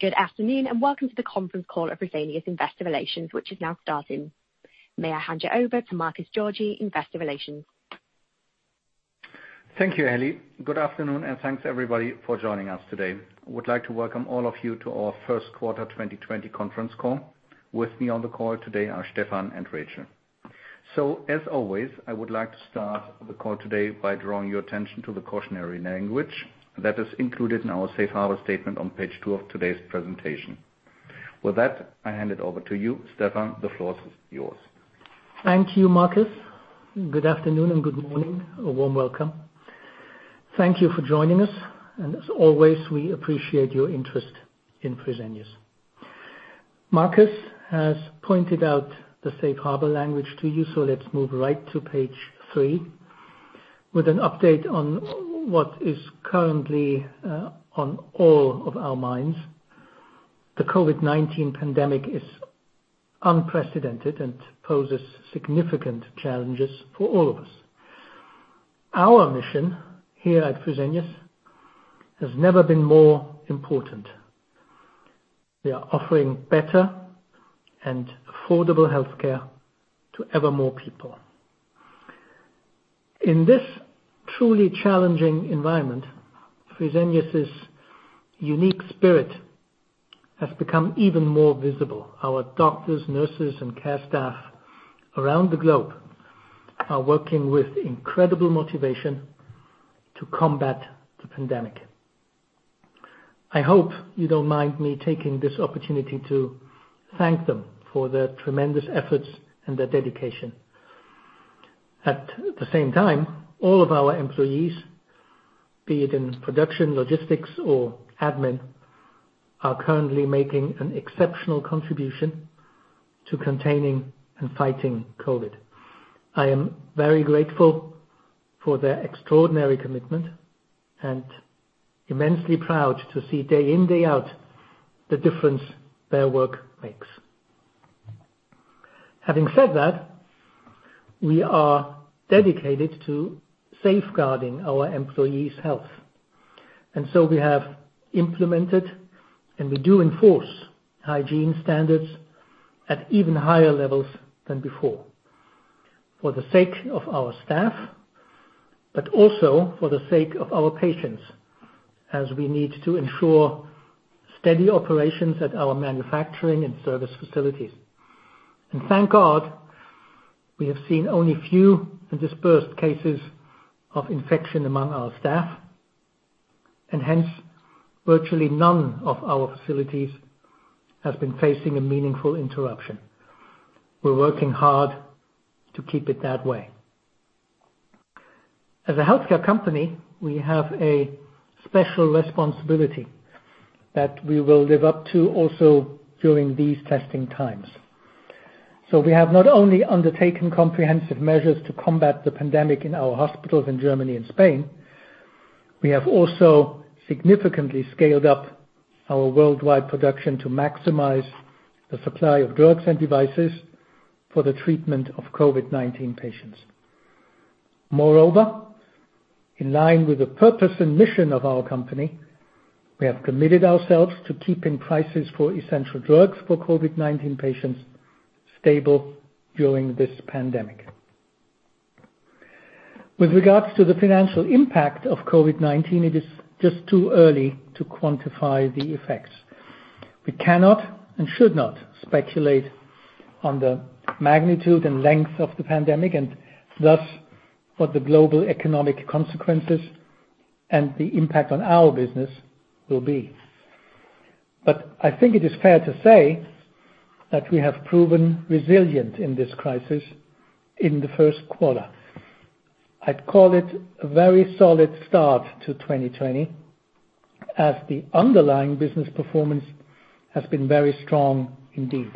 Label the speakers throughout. Speaker 1: Good afternoon and welcome to the conference call of Fresenius Investor Relations, which is now starting. May I hand you over to Markus Georgi, Investor Relations.
Speaker 2: Thank you, Ellie. Good afternoon, and thanks everybody for joining us today. I would like to welcome all of you to our first quarter 2020 conference call. With me on the call today are Stephan and Rachel. As always, I would like to start the call today by drawing your attention to the cautionary language that is included in our safe harbor statement on page two of today's presentation. With that, I hand it over to you, Stephan. The floor is yours.
Speaker 3: Thank you, Markus. Good afternoon and good morning. A warm welcome. Thank you for joining us. As always, we appreciate your interest in Fresenius. Markus has pointed out the safe harbor language to you. Let's move right to page three with an update on what is currently on all of our minds. The COVID-19 pandemic is unprecedented and poses significant challenges for all of us. Our mission here at Fresenius has never been more important. We are offering better and affordable healthcare to ever more people. In this truly challenging environment, Fresenius' unique spirit has become even more visible. Our doctors, nurses, and care staff around the globe are working with incredible motivation to combat the pandemic. I hope you don't mind me taking this opportunity to thank them for their tremendous efforts and their dedication. At the same time, all of our employees, be it in production, logistics, or admin, are currently making an exceptional contribution to containing and fighting COVID. I am very grateful for their extraordinary commitment and immensely proud to see day in, day out the difference their work makes. Having said that, we are dedicated to safeguarding our employees' health. We have implemented, and we do enforce hygiene standards at even higher levels than before, for the sake of our staff, but also for the sake of our patients, as we need to ensure steady operations at our manufacturing and service facilities. Thank God, we have seen only few and dispersed cases of infection among our staff. Hence, virtually none of our facilities have been facing a meaningful interruption. We're working hard to keep it that way. As a healthcare company, we have a special responsibility that we will live up to also during these testing times. We have not only undertaken comprehensive measures to combat the pandemic in our hospitals in Germany and Spain, we have also significantly scaled up our worldwide production to maximize the supply of drugs and devices for the treatment of COVID-19 patients. Moreover, in line with the purpose and mission of our company, we have committed ourselves to keeping prices for essential drugs for COVID-19 patients stable during this pandemic. With regards to the financial impact of COVID-19, it is just too early to quantify the effects. We cannot and should not speculate on the magnitude and length of the pandemic, and thus what the global economic consequences and the impact on our business will be. I think it is fair to say that we have proven resilient in this crisis in the first quarter. I'd call it a very solid start to 2020, as the underlying business performance has been very strong indeed.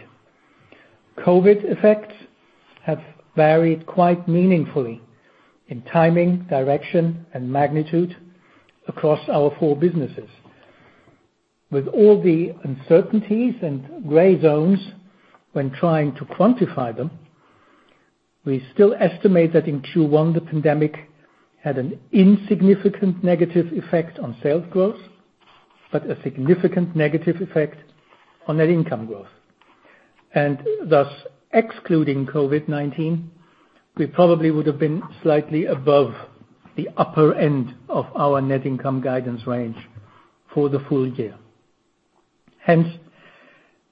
Speaker 3: COVID effects have varied quite meaningfully in timing, direction, and magnitude across our four businesses. With all the uncertainties and gray zones when trying to quantify them, we still estimate that in Q1, the pandemic had an insignificant negative effect on sales growth, but a significant negative effect on net income growth. Thus, excluding COVID-19, we probably would have been slightly above the upper end of our net income guidance range for the full year. Hence,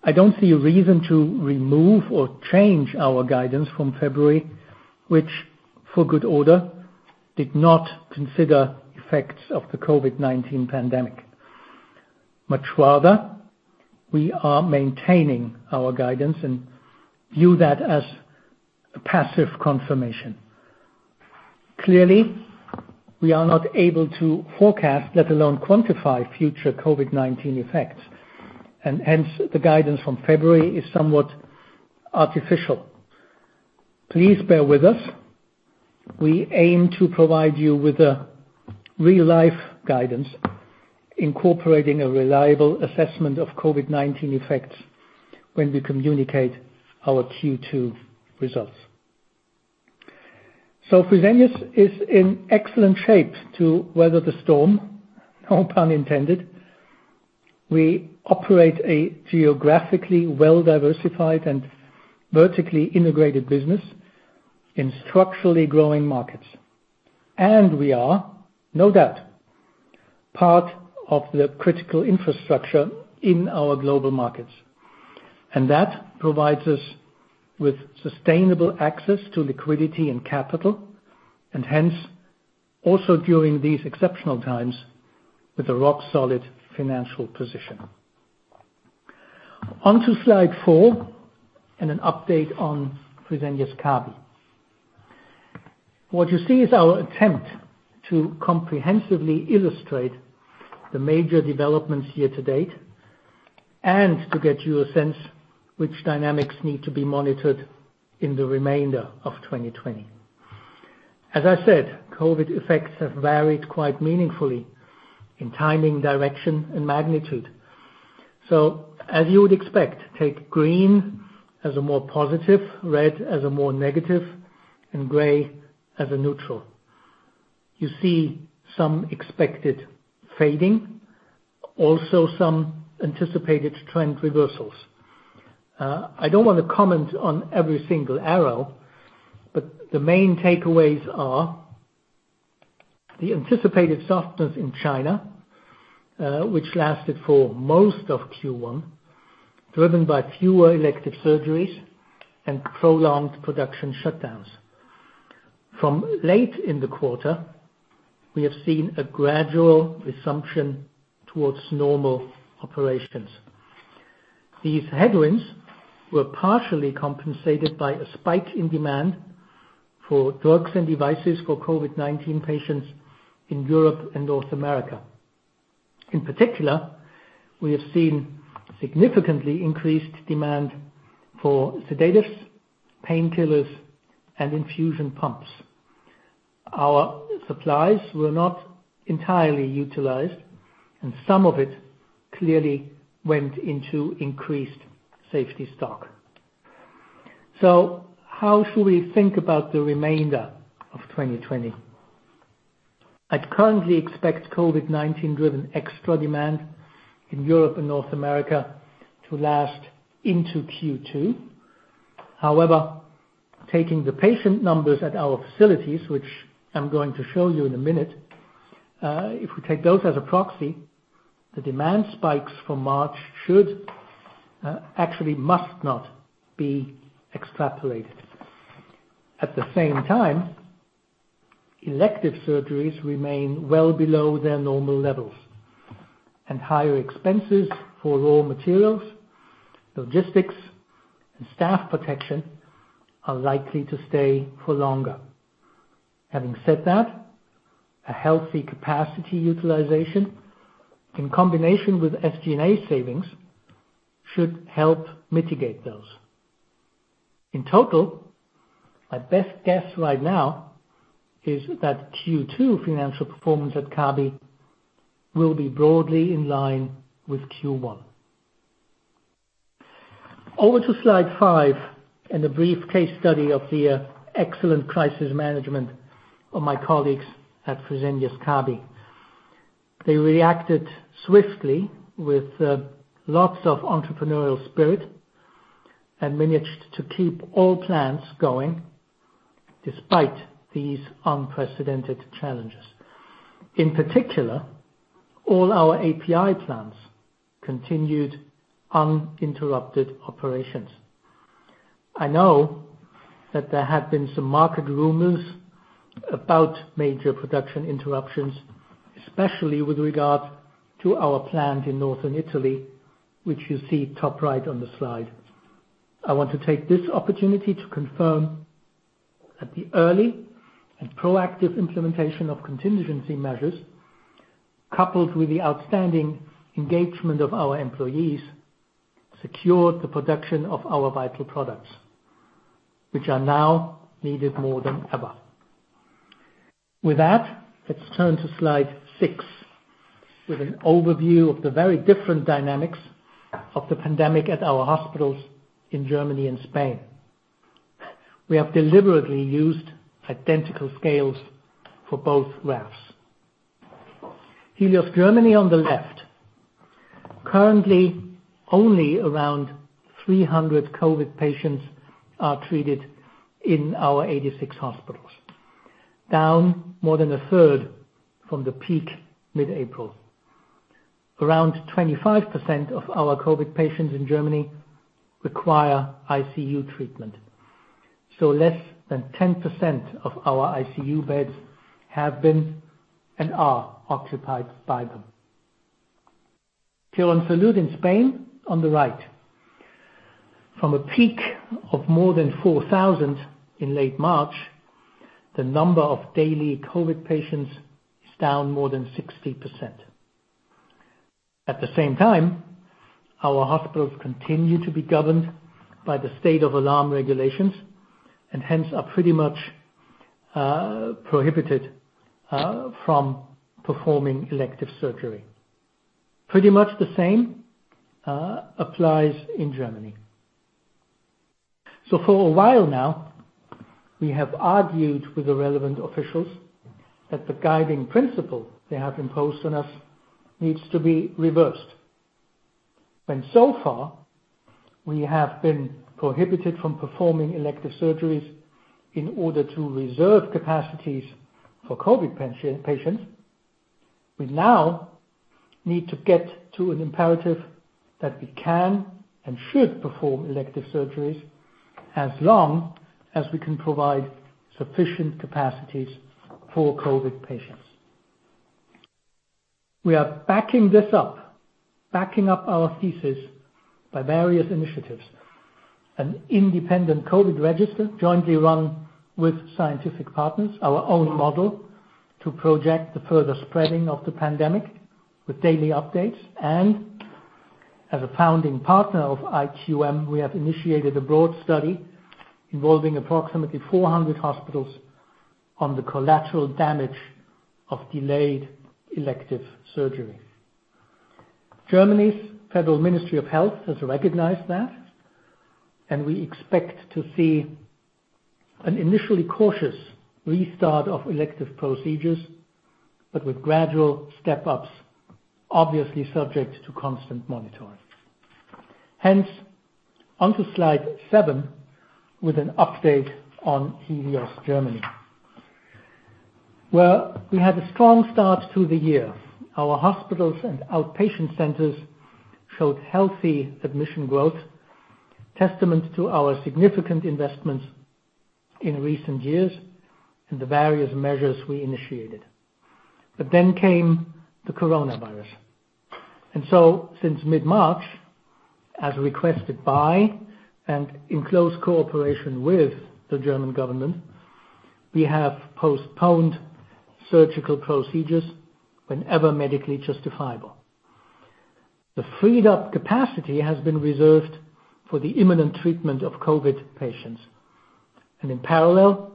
Speaker 3: I don't see a reason to remove or change our guidance from February, which, for good order, did not consider effects of the COVID-19 pandemic. Much rather, we are maintaining our guidance and view that as a passive confirmation. Clearly, we are not able to forecast, let alone quantify future COVID-19 effects, and hence the guidance from February is somewhat artificial. Please bear with us. We aim to provide you with a real-life guidance incorporating a reliable assessment of COVID-19 effects when we communicate our Q2 results. Fresenius is in excellent shape to weather the storm, no pun intended. We operate a geographically well-diversified and vertically integrated business in structurally growing markets, we are, no doubt, part of the critical infrastructure in our global markets. That provides us with sustainable access to liquidity and capital, and hence, also during these exceptional times, with a rock solid financial position. On to slide 4 and an update on Fresenius Kabi. What you see is our attempt to comprehensively illustrate the major developments year to date and to get you a sense which dynamics need to be monitored in the remainder of 2020. As I said, COVID effects have varied quite meaningfully in timing, direction and magnitude. As you would expect, take green as a more positive, red as a more negative, and gray as a neutral. You see some expected fading, also some anticipated trend reversals. I don't want to comment on every single arrow, the main takeaways are the anticipated softness in China, which lasted for most of Q1, driven by fewer elective surgeries and prolonged production shutdowns. From late in the quarter, we have seen a gradual resumption towards normal operations. These headwinds were partially compensated by a spike in demand for drugs and devices for COVID-19 patients in Europe and North America. In particular, we have seen significantly increased demand for sedatives, painkillers, and infusion pumps. Our supplies were not entirely utilized, and some of it clearly went into increased safety stock. How should we think about the remainder of 2020? I'd currently expect COVID-19-driven extra demand in Europe and North America to last into Q2. However, taking the patient numbers at our facilities, which I'm going to show you in a minute, if we take those as a proxy, the demand spikes from March should, actually must not, be extrapolated. At the same time, elective surgeries remain well below their normal levels, and higher expenses for raw materials, logistics, and staff protection are likely to stay for longer. Having said that, a healthy capacity utilization in combination with SG&A savings should help mitigate those. In total, my best guess right now is that Q2 financial performance at Kabi will be broadly in line with Q1. Over to slide 5 and a brief case study of the excellent crisis management of my colleagues at Fresenius Kabi. They reacted swiftly with lots of entrepreneurial spirit and managed to keep all plans going despite these unprecedented challenges. In particular, all our API plants continued uninterrupted operations. I know that there have been some market rumors about major production interruptions, especially with regard to our plant in Northern Italy, which you see top right on the slide. I want to take this opportunity to confirm that the early and proactive implementation of contingency measures, coupled with the outstanding engagement of our employees, secured the production of our vital products, which are now needed more than ever. With that, let's turn to slide 6 with an overview of the very different dynamics of the pandemic at our hospitals in Germany and Spain. We have deliberately used identical scales for both graphs. Helios Germany on the left. Currently, only around 300 COVID patients are treated in our 86 hospitals. Down more than a third from the peak mid-April. Around 25% of our COVID patients in Germany require ICU treatment, so less than 10% of our ICU beds have been and are occupied by them. Quirónsalud in Spain on the right. From a peak of more than 4,000 in late March, the number of daily COVID patients is down more than 60%. At the same time, our hospitals continue to be governed by the state of alarm regulations and hence are pretty much prohibited from performing elective surgery. Pretty much the same applies in Germany. For a while now, we have argued with the relevant officials that the guiding principle they have imposed on us needs to be reversed. When so far, we have been prohibited from performing elective surgeries in order to reserve capacities for COVID patients, we now need to get to an imperative that we can and should perform elective surgeries as long as we can provide sufficient capacities for COVID patients. We are backing up our thesis by various initiatives, an independent COVID register jointly run with scientific partners, our own model to project the further spreading of the pandemic with daily updates, and as a founding partner of IQM, we have initiated a broad study involving approximately 400 hospitals on the collateral damage of delayed elective surgery. Germany's Federal Ministry of Health has recognized that, we expect to see an initially cautious restart of elective procedures, but with gradual step-ups, obviously subject to constant monitoring. Hence, onto slide 7 with an update on Helios Germany. Well, we had a strong start to the year. Our hospitals and outpatient centers showed healthy admission growth, testament to our significant investments in recent years and the various measures we initiated. Came the coronavirus. Since mid-March, as requested by and in close cooperation with the German government, we have postponed surgical procedures whenever medically justifiable. The freed-up capacity has been reserved for the imminent treatment of COVID patients. In parallel,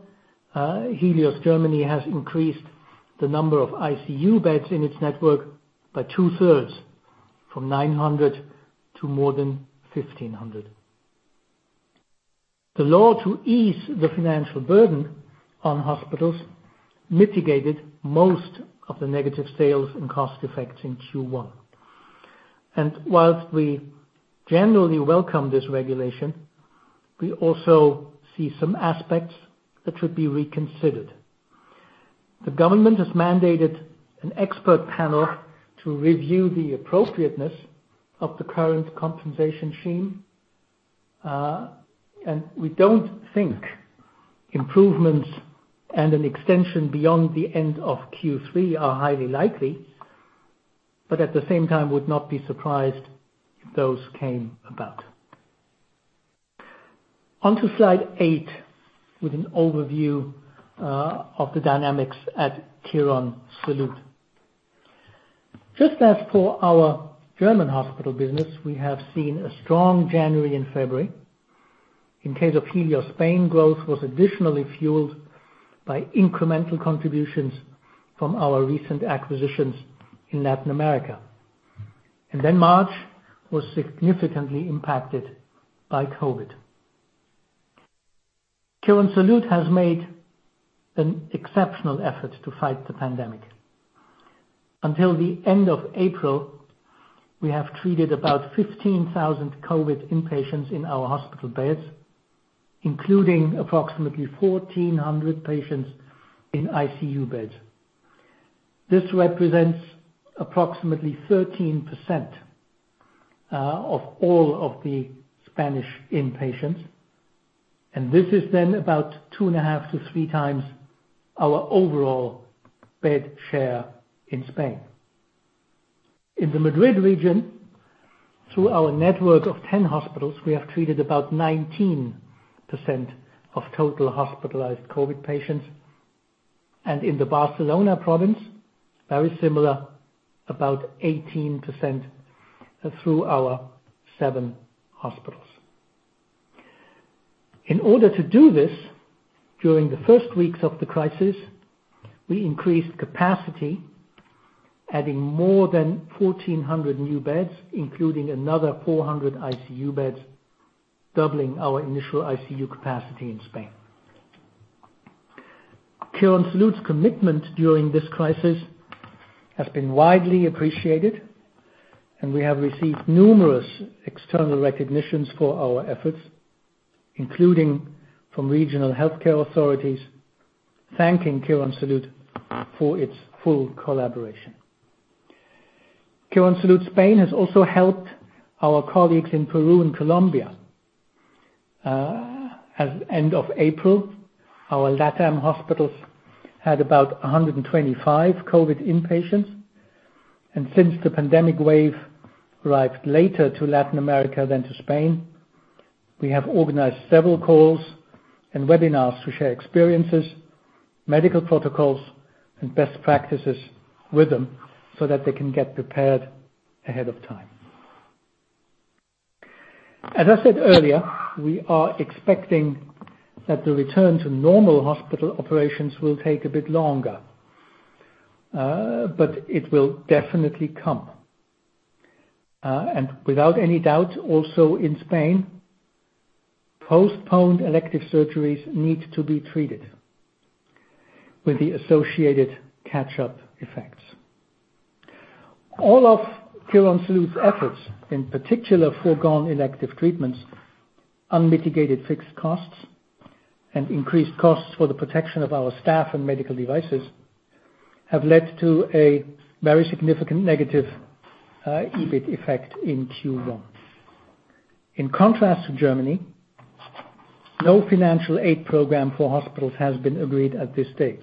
Speaker 3: Helios Germany has increased the number of ICU beds in its network by two-thirds, from 900 to more than 1,500. The law to ease the financial burden on hospitals mitigated most of the negative sales and cost effects in Q1. While we generally welcome this regulation, we also see some aspects that should be reconsidered. The government has mandated an expert panel to review the appropriateness of the current compensation scheme. We don't think improvements and an extension beyond the end of Q3 are highly likely, but at the same time would not be surprised if those came about. Onto slide 8 with an overview of the dynamics at Quirónsalud. Just as for our German hospital business, we have seen a strong January and February. In case of Helios, Spain growth was additionally fueled by incremental contributions from our recent acquisitions in Latin America. March was significantly impacted by COVID. Quirónsalud has made an exceptional effort to fight the pandemic. Until the end of April, we have treated about 15,000 COVID inpatients in our hospital beds, including approximately 1,400 patients in ICU beds. This represents approximately 13% of all of the Spanish inpatients, and this is then about two and a half to three times our overall bed share in Spain. In the Madrid region, through our network of 10 hospitals, we have treated about 19% of total hospitalized COVID patients, and in the Barcelona province, very similar, about 18% through our seven hospitals. In order to do this, during the first weeks of the crisis, we increased capacity, adding more than 1,400 new beds, including another 400 ICU beds, doubling our initial ICU capacity in Spain. Quirónsalud's commitment during this crisis has been widely appreciated. We have received numerous external recognitions for our efforts, including from regional healthcare authorities, thanking Quirónsalud for its full collaboration. Quirónsalud Spain has also helped our colleagues in Peru and Colombia. As end of April, our LATAM hospitals had about 125 COVID inpatients. Since the pandemic wave arrived later to Latin America than to Spain, we have organized several calls and webinars to share experiences, medical protocols, and best practices with them so that they can get prepared ahead of time. As I said earlier, we are expecting that the return to normal hospital operations will take a bit longer. It will definitely come. Without any doubt, also in Spain, postponed elective surgeries need to be treated with the associated catch-up effects. All of Quirónsalud's efforts, in particular foregone elective treatments, unmitigated fixed costs, and increased costs for the protection of our staff and medical devices, have led to a very significant negative EBIT effect in Q1. In contrast to Germany, no financial aid program for hospitals has been agreed at this stage.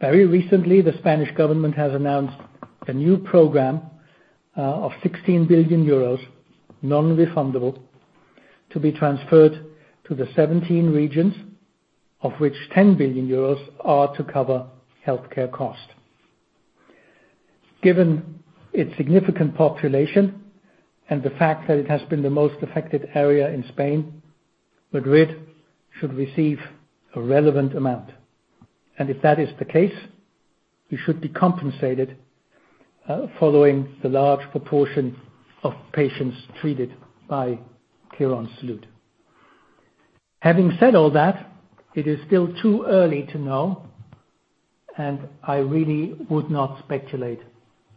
Speaker 3: Very recently, the Spanish government has announced a new program of 16 billion euros, non-refundable, to be transferred to the 17 regions, of which 10 billion euros are to cover healthcare costs. Given its significant population and the fact that it has been the most affected area in Spain, Madrid should receive a relevant amount. If that is the case, we should be compensated following the large proportion of patients treated by Quirónsalud. Having said all that, it is still too early to know, and I really would not speculate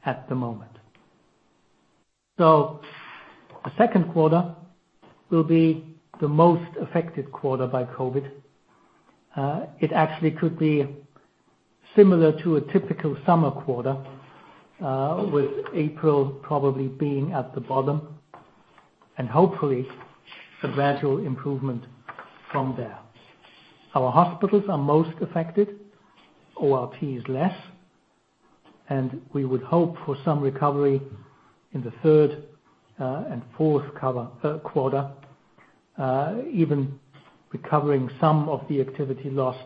Speaker 3: at the moment. The second quarter will be the most affected quarter by COVID-19. It actually could be similar to a typical summer quarter, with April probably being at the bottom and hopefully a gradual improvement from there. Our hospitals are most affected, ORPs less, and we would hope for some recovery in the third and fourth quarter, even recovering some of the activity lost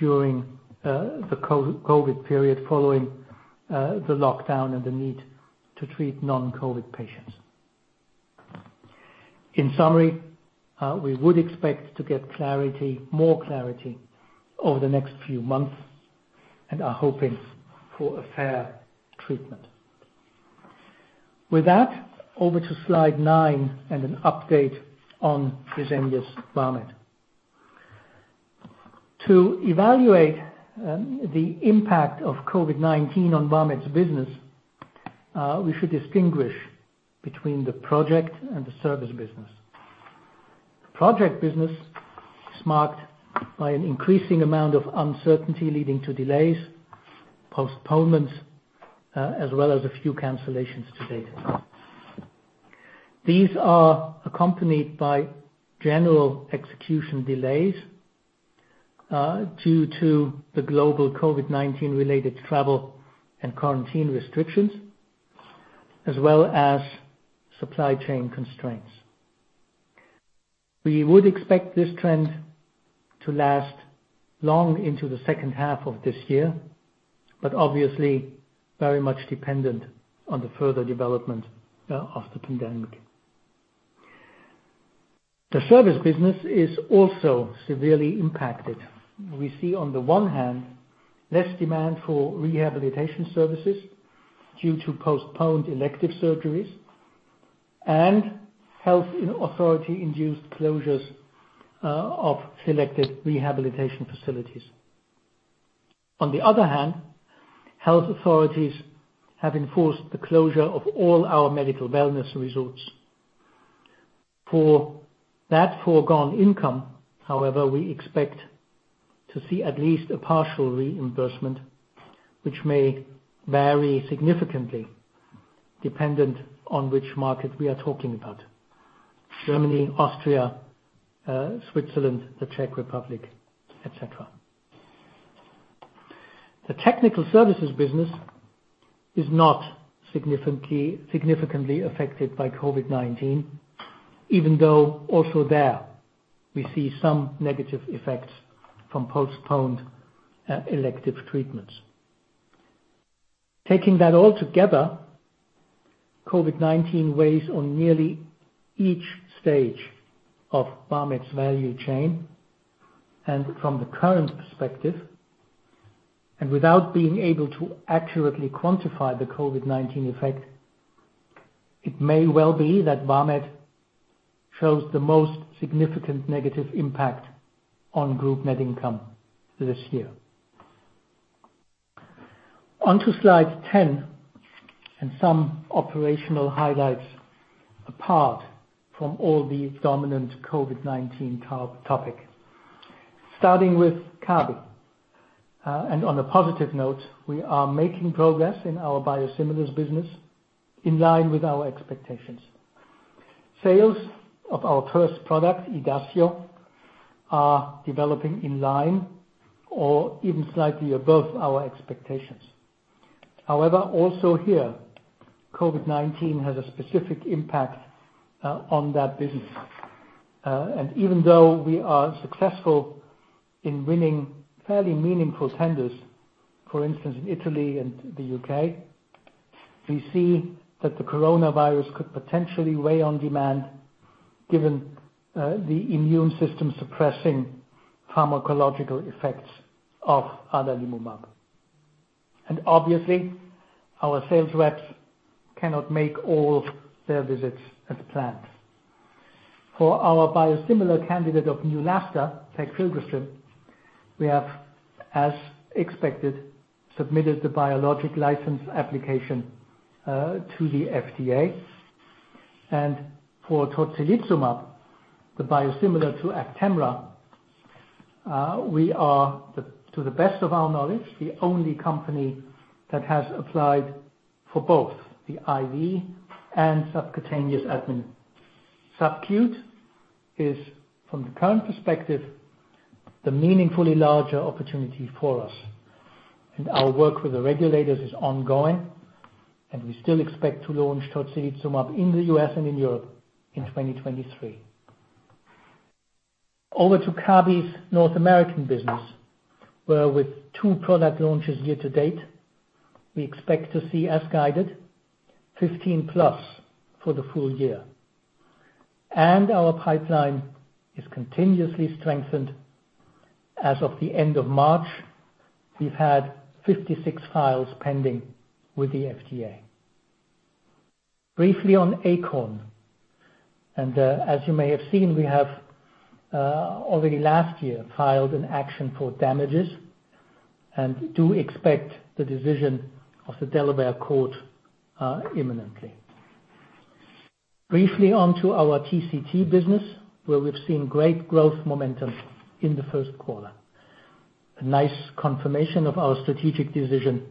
Speaker 3: during the COVID-19 period following the lockdown and the need to treat non-COVID-19 patients. In summary, we would expect to get more clarity over the next few months and are hoping for a fair treatment. With that, over to slide 9 and an update on Fresenius Vamed. To evaluate the impact of COVID-19 on Vamed's business, we should distinguish between the project and the service business. Project business is marked by an increasing amount of uncertainty, leading to delays, postponements, as well as a few cancellations to date. These are accompanied by general execution delays due to the global COVID-19 related travel and quarantine restrictions as well as supply chain constraints. We would expect this trend to last long into the second half of this year, but obviously very much dependent on the further development of the pandemic. The service business is also severely impacted. We see on the one hand, less demand for rehabilitation services due to postponed elective surgeries and health authority induced closures of selected rehabilitation facilities. On the other hand, health authorities have enforced the closure of all our medical wellness resorts. For that foregone income, however, we expect to see at least a partial reimbursement, which may vary significantly dependent on which market we are talking about. Germany, Austria, Switzerland, the Czech Republic, et cetera. The technical services business is not significantly affected by COVID-19, even though also there, we see some negative effects from postponed elective treatments. Taking that all together, COVID-19 weighs on nearly each stage of Vamed's value chain, and from the current perspective, and without being able to accurately quantify the COVID-19 effect, it may well be that Vamed shows the most significant negative impact on group net income this year. On to slide 10 and some operational highlights apart from all the dominant COVID-19 topic. Starting with Kabi, and on a positive note, we are making progress in our biosimilars business in line with our expectations. Sales of our first product, Idacio, are developing in line or even slightly above our expectations. However, also here, COVID-19 has a specific impact on that business. Even though we are successful in winning fairly meaningful tenders, for instance, in Italy and the U.K., we see that the coronavirus could potentially weigh on demand given the immune system suppressing pharmacological effects of adalimumab. Obviously, our sales reps cannot make all their visits as planned. For our biosimilar candidate of Neulasta, pegfilgrastim, we have, as expected, submitted the Biologics License Application to the FDA. For tocilizumab, the biosimilar to Actemra, we are, to the best of our knowledge, the only company that has applied for both the IV and subcutaneous admin. SubQ is, from the current perspective, the meaningfully larger opportunity for us. Our work with the regulators is ongoing, and we still expect to launch tocilizumab in the U.S. and in Europe in 2023. Over to Kabi's North American business, where with two product launches year to date, we expect to see as guided, 15+ for the full year. Our pipeline is continuously strengthened. As of the end of March, we've had 56 files pending with the FDA. Briefly on Akorn, and, as you may have seen, we have, already last year, filed an action for damages and do expect the decision of the Delaware court imminently. Briefly on to our TCT business, where we've seen great growth momentum in the first quarter. A nice confirmation of our strategic decision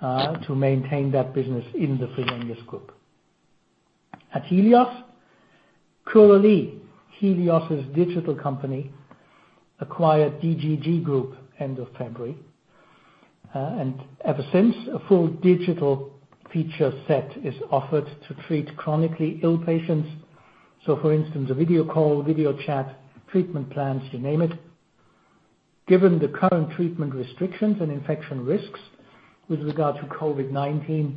Speaker 3: to maintain that business in the Fresenius Group. At Helios, Curalie, Helios' digital company, acquired DGG Group end of February. Ever since, a full digital feature set is offered to treat chronically ill patients. For instance, a video call, video chat, treatment plans, you name it. Given the current treatment restrictions and infection risks with regard to COVID-19,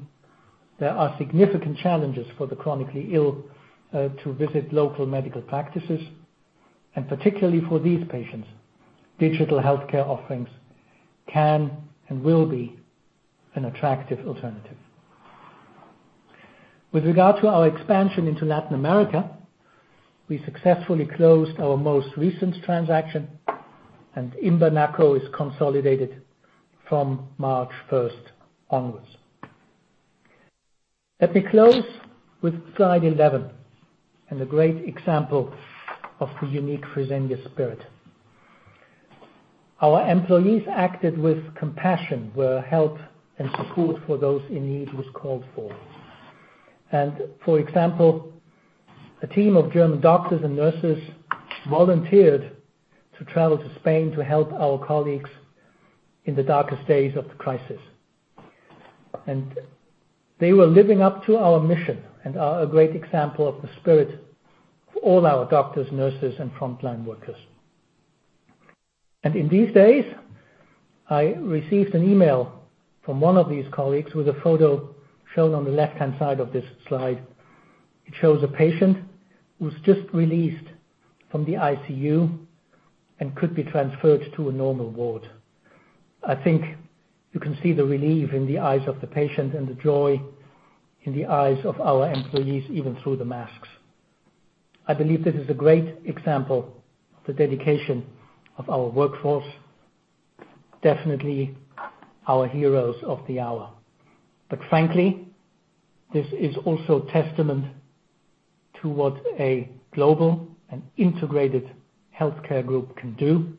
Speaker 3: there are significant challenges for the chronically ill, to visit local medical practices. Particularly for these patients, digital healthcare offerings can and will be an attractive alternative. With regard to our expansion into Latin America, we successfully closed our most recent transaction, and Imbanaco is consolidated from March 1st onwards. Let me close with slide 11 and a great example of the unique Fresenius spirit. Our employees acted with compassion where help and support for those in need was called for. For example, a team of German doctors and nurses volunteered to travel to Spain to help our colleagues in the darkest days of the crisis. They were living up to our mission and are a great example of the spirit for all our doctors, nurses, and frontline workers. In these days, I received an email from one of these colleagues with a photo shown on the left-hand side of this slide. It shows a patient who's just released from the ICU and could be transferred to a normal ward. I think you can see the relief in the eyes of the patient and the joy in the eyes of our employees, even through the masks. I believe this is a great example of the dedication of our workforce, definitely our heroes of the hour. Frankly, this is also testament to what a global and integrated healthcare group can do,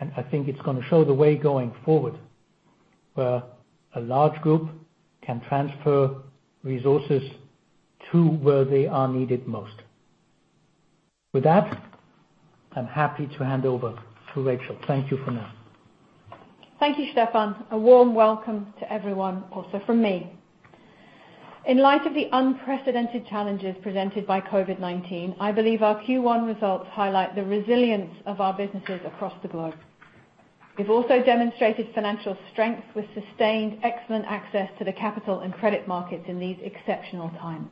Speaker 3: and I think it's going to show the way going forward, where a large group can transfer resources to where they are needed most. With that, I'm happy to hand over to Rachel. Thank you for now.
Speaker 4: Thank you, Stephan. A warm welcome to everyone also from me. In light of the unprecedented challenges presented by COVID-19, I believe our Q1 results highlight the resilience of our businesses across the globe. We've also demonstrated financial strength with sustained excellent access to the capital and credit markets in these exceptional times.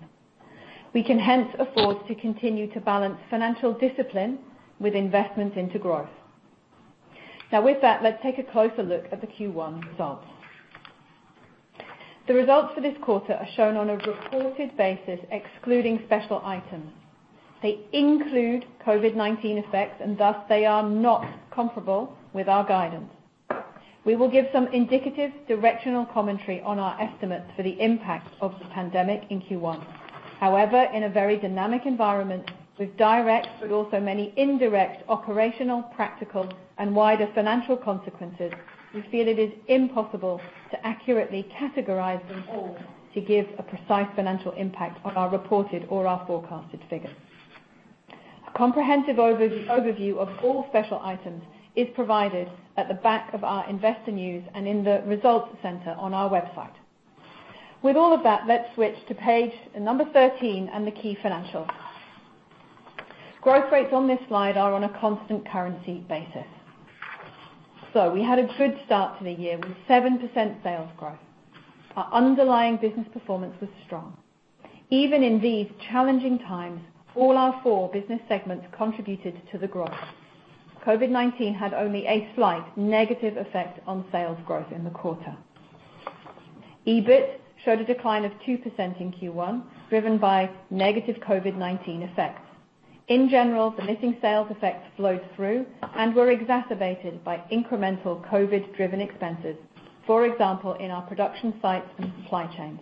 Speaker 4: We can hence afford to continue to balance financial discipline with investment into growth. Now with that, let's take a closer look at the Q1 results. The results for this quarter are shown on a reported basis excluding special items. They include COVID-19 effects, and thus, they are not comparable with our guidance. We will give some indicative directional commentary on our estimates for the impact of the pandemic in Q1. However, in a very dynamic environment with direct but also many indirect operational, practical, and wider financial consequences, we feel it is impossible to accurately categorize them all to give a precise financial impact on our reported or our forecasted figures. A comprehensive overview of all special items is provided at the back of our investor news and in the results center on our website. Let's switch to page 13 and the key financials. Growth rates on this slide are on a constant currency basis. We had a good start to the year with 7% sales growth. Our underlying business performance was strong. Even in these challenging times, all our four business segments contributed to the growth. COVID-19 had only a slight negative effect on sales growth in the quarter. EBIT showed a decline of 2% in Q1, driven by negative COVID-19 effects. In general, the missing sales effects flowed through and were exacerbated by incremental COVID-driven expenses. For example, in our production sites and supply chain.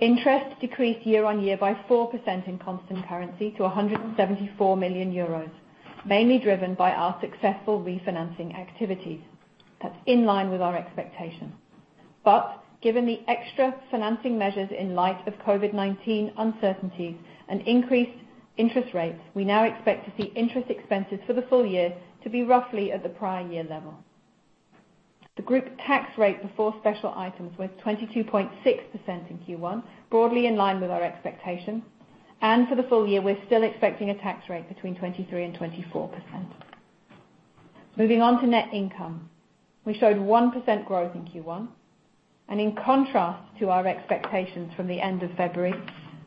Speaker 4: Interest decreased year-on-year by 4% in constant currency to 174 million euros, mainly driven by our successful refinancing activities. That's in line with our expectations. Given the extra financing measures in light of COVID-19 uncertainties and increased interest rates, we now expect to see interest expenses for the full year to be roughly at the prior year level. The group tax rate before special items was 22.6% in Q1, broadly in line with our expectations, and for the full year, we're still expecting a tax rate between 23% and 24%. Moving on to net income. We showed 1% growth in Q1, and in contrast to our expectations from the end of February,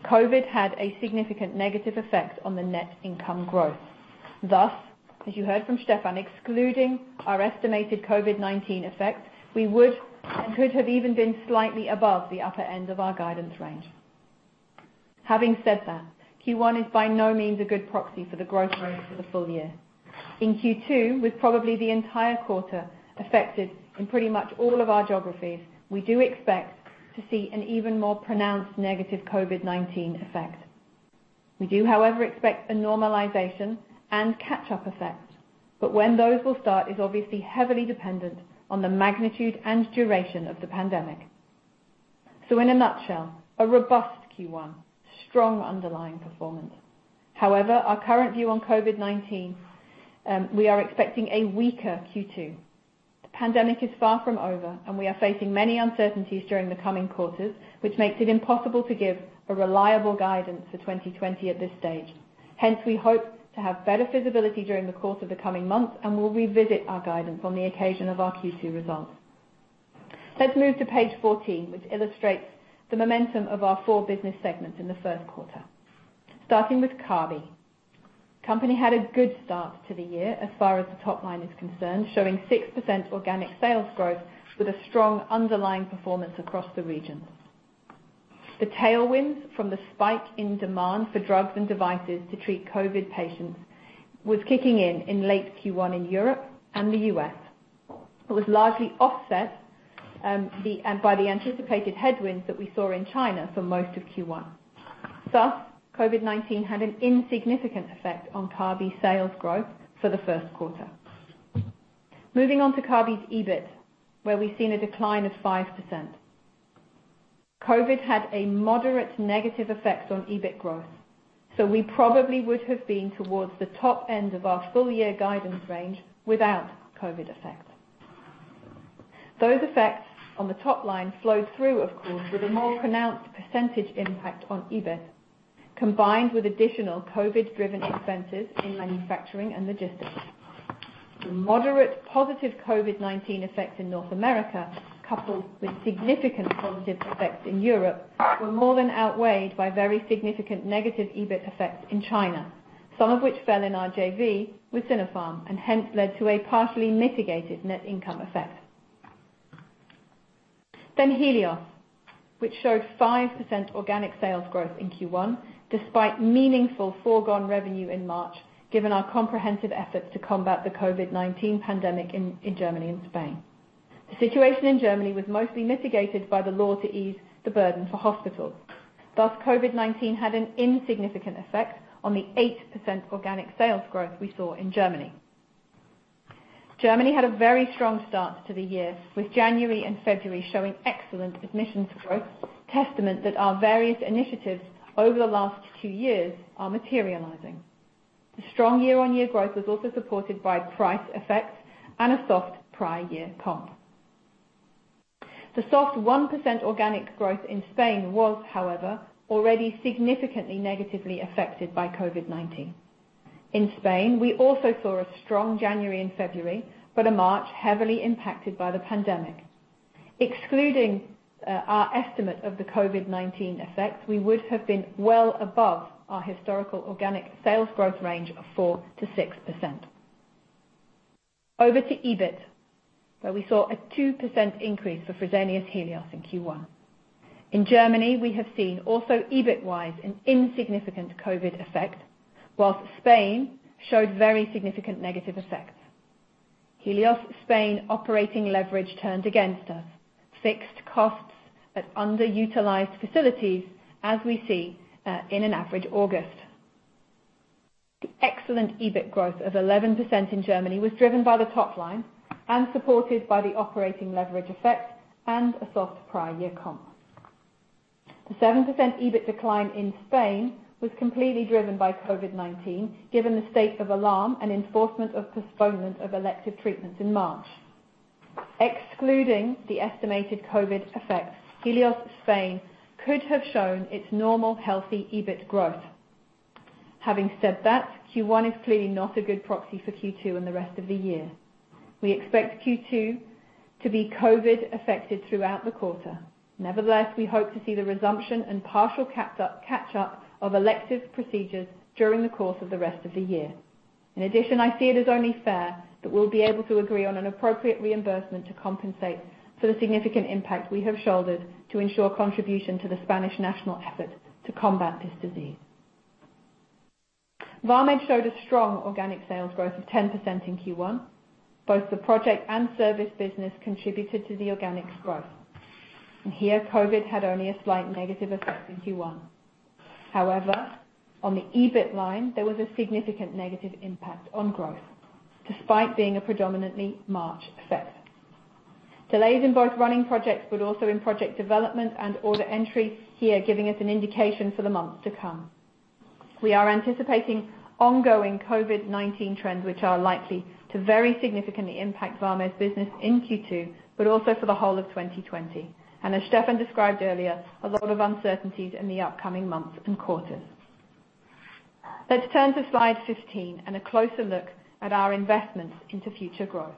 Speaker 4: COVID had a significant negative effect on the net income growth. As you heard from Stephan, excluding our estimated COVID-19 effects, we would and could have even been slightly above the upper end of our guidance range. Having said that, Q1 is by no means a good proxy for the growth rate for the full year. In Q2, with probably the entire quarter affected in pretty much all of our geographies, we do expect to see an even more pronounced negative COVID-19 effect. We do, however, expect a normalization and catch-up effect, but when those will start is obviously heavily dependent on the magnitude and duration of the pandemic. In a nutshell, a robust Q1. Strong underlying performance. However, our current view on COVID-19, we are expecting a weaker Q2. The pandemic is far from over, and we are facing many uncertainties during the coming quarters, which makes it impossible to give a reliable guidance for 2020 at this stage. We hope to have better visibility during the course of the coming months, and will revisit our guidance on the occasion of our Q2 results. Let's move to page 14, which illustrates the momentum of our four business segments in the first quarter. Starting with Kabi. Company had a good start to the year as far as the top line is concerned, showing 6% organic sales growth with a strong underlying performance across the regions. The tailwinds from the spike in demand for drugs and devices to treat COVID patients was kicking in in late Q1 in Europe and the U.S. It was largely offset by the anticipated headwinds that we saw in China for most of Q1. Thus, COVID-19 had an insignificant effect on Kabi's sales growth for the first quarter. Moving on to Kabi's EBIT, where we've seen a decline of 5%. COVID-19 had a moderate negative effect on EBIT growth, so we probably would have been towards the top end of our full year guidance range without COVID-19 effects. Those effects on the top line flowed through, of course, with a more pronounced percentage impact on EBIT, combined with additional COVID-19-driven expenses in manufacturing and logistics. The moderate positive COVID-19 effects in North America, coupled with significant positive effects in Europe, were more than outweighed by very significant negative EBIT effects in China, some of which fell in our JV with Sinopharm and hence led to a partially mitigated net income effect. Helios, which showed 5% organic sales growth in Q1, despite meaningful foregone revenue in March, given our comprehensive efforts to combat the COVID-19 pandemic in Germany and Spain. The situation in Germany was mostly mitigated by the law to ease the burden for hospitals. COVID-19 had an insignificant effect on the 8% organic sales growth we saw in Germany. Germany had a very strong start to the year, with January and February showing excellent admissions growth, testament that our various initiatives over the last two years are materializing. The strong year-on-year growth was also supported by price effects and a soft prior year comp. The soft 1% organic growth in Spain was, however, already significantly negatively affected by COVID-19. In Spain, we also saw a strong January and February, but a March heavily impacted by the pandemic. Excluding our estimate of the COVID-19 effects, we would have been well above our historical organic sales growth range of 4% to 6%. Over to EBIT, where we saw a 2% increase for Fresenius Helios in Q1. In Germany, we have seen also EBIT wise an insignificant COVID effect, whilst Spain showed very significant negative effects. Helios Spain operating leverage turned against us. Fixed costs at underutilized facilities, as we see in an average August. The excellent EBIT growth of 11% in Germany was driven by the top line and supported by the operating leverage effect and a soft prior year comp. The 7% EBIT decline in Spain was completely driven by COVID-19, given the state of alarm and enforcement of postponement of elective treatments in March. Excluding the estimated COVID effects, Helios Spain could have shown its normal healthy EBIT growth. Having said that, Q1 is clearly not a good proxy for Q2 and the rest of the year. We expect Q2 to be COVID affected throughout the quarter. Nevertheless, we hope to see the resumption and partial catch-up of elective procedures during the course of the rest of the year. In addition, I see it as only fair that we'll be able to agree on an appropriate reimbursement to compensate for the significant impact we have shouldered to ensure contribution to the Spanish national effort to combat this disease. Vamed showed a strong organic sales growth of 10% in Q1. Both the project and service business contributed to the organic growth. Here, COVID had only a slight negative effect in Q1. However, on the EBIT line, there was a significant negative impact on growth, despite being a predominantly March effect. Delays in both running projects, but also in project development and order entry here giving us an indication for the months to come. We are anticipating ongoing COVID-19 trends, which are likely to very significantly impact Vamed's business in Q2, but also for the whole of 2020. As Stephan described earlier, a lot of uncertainties in the upcoming months and quarters. Let's turn to slide 15 and a closer look at our investments into future growth.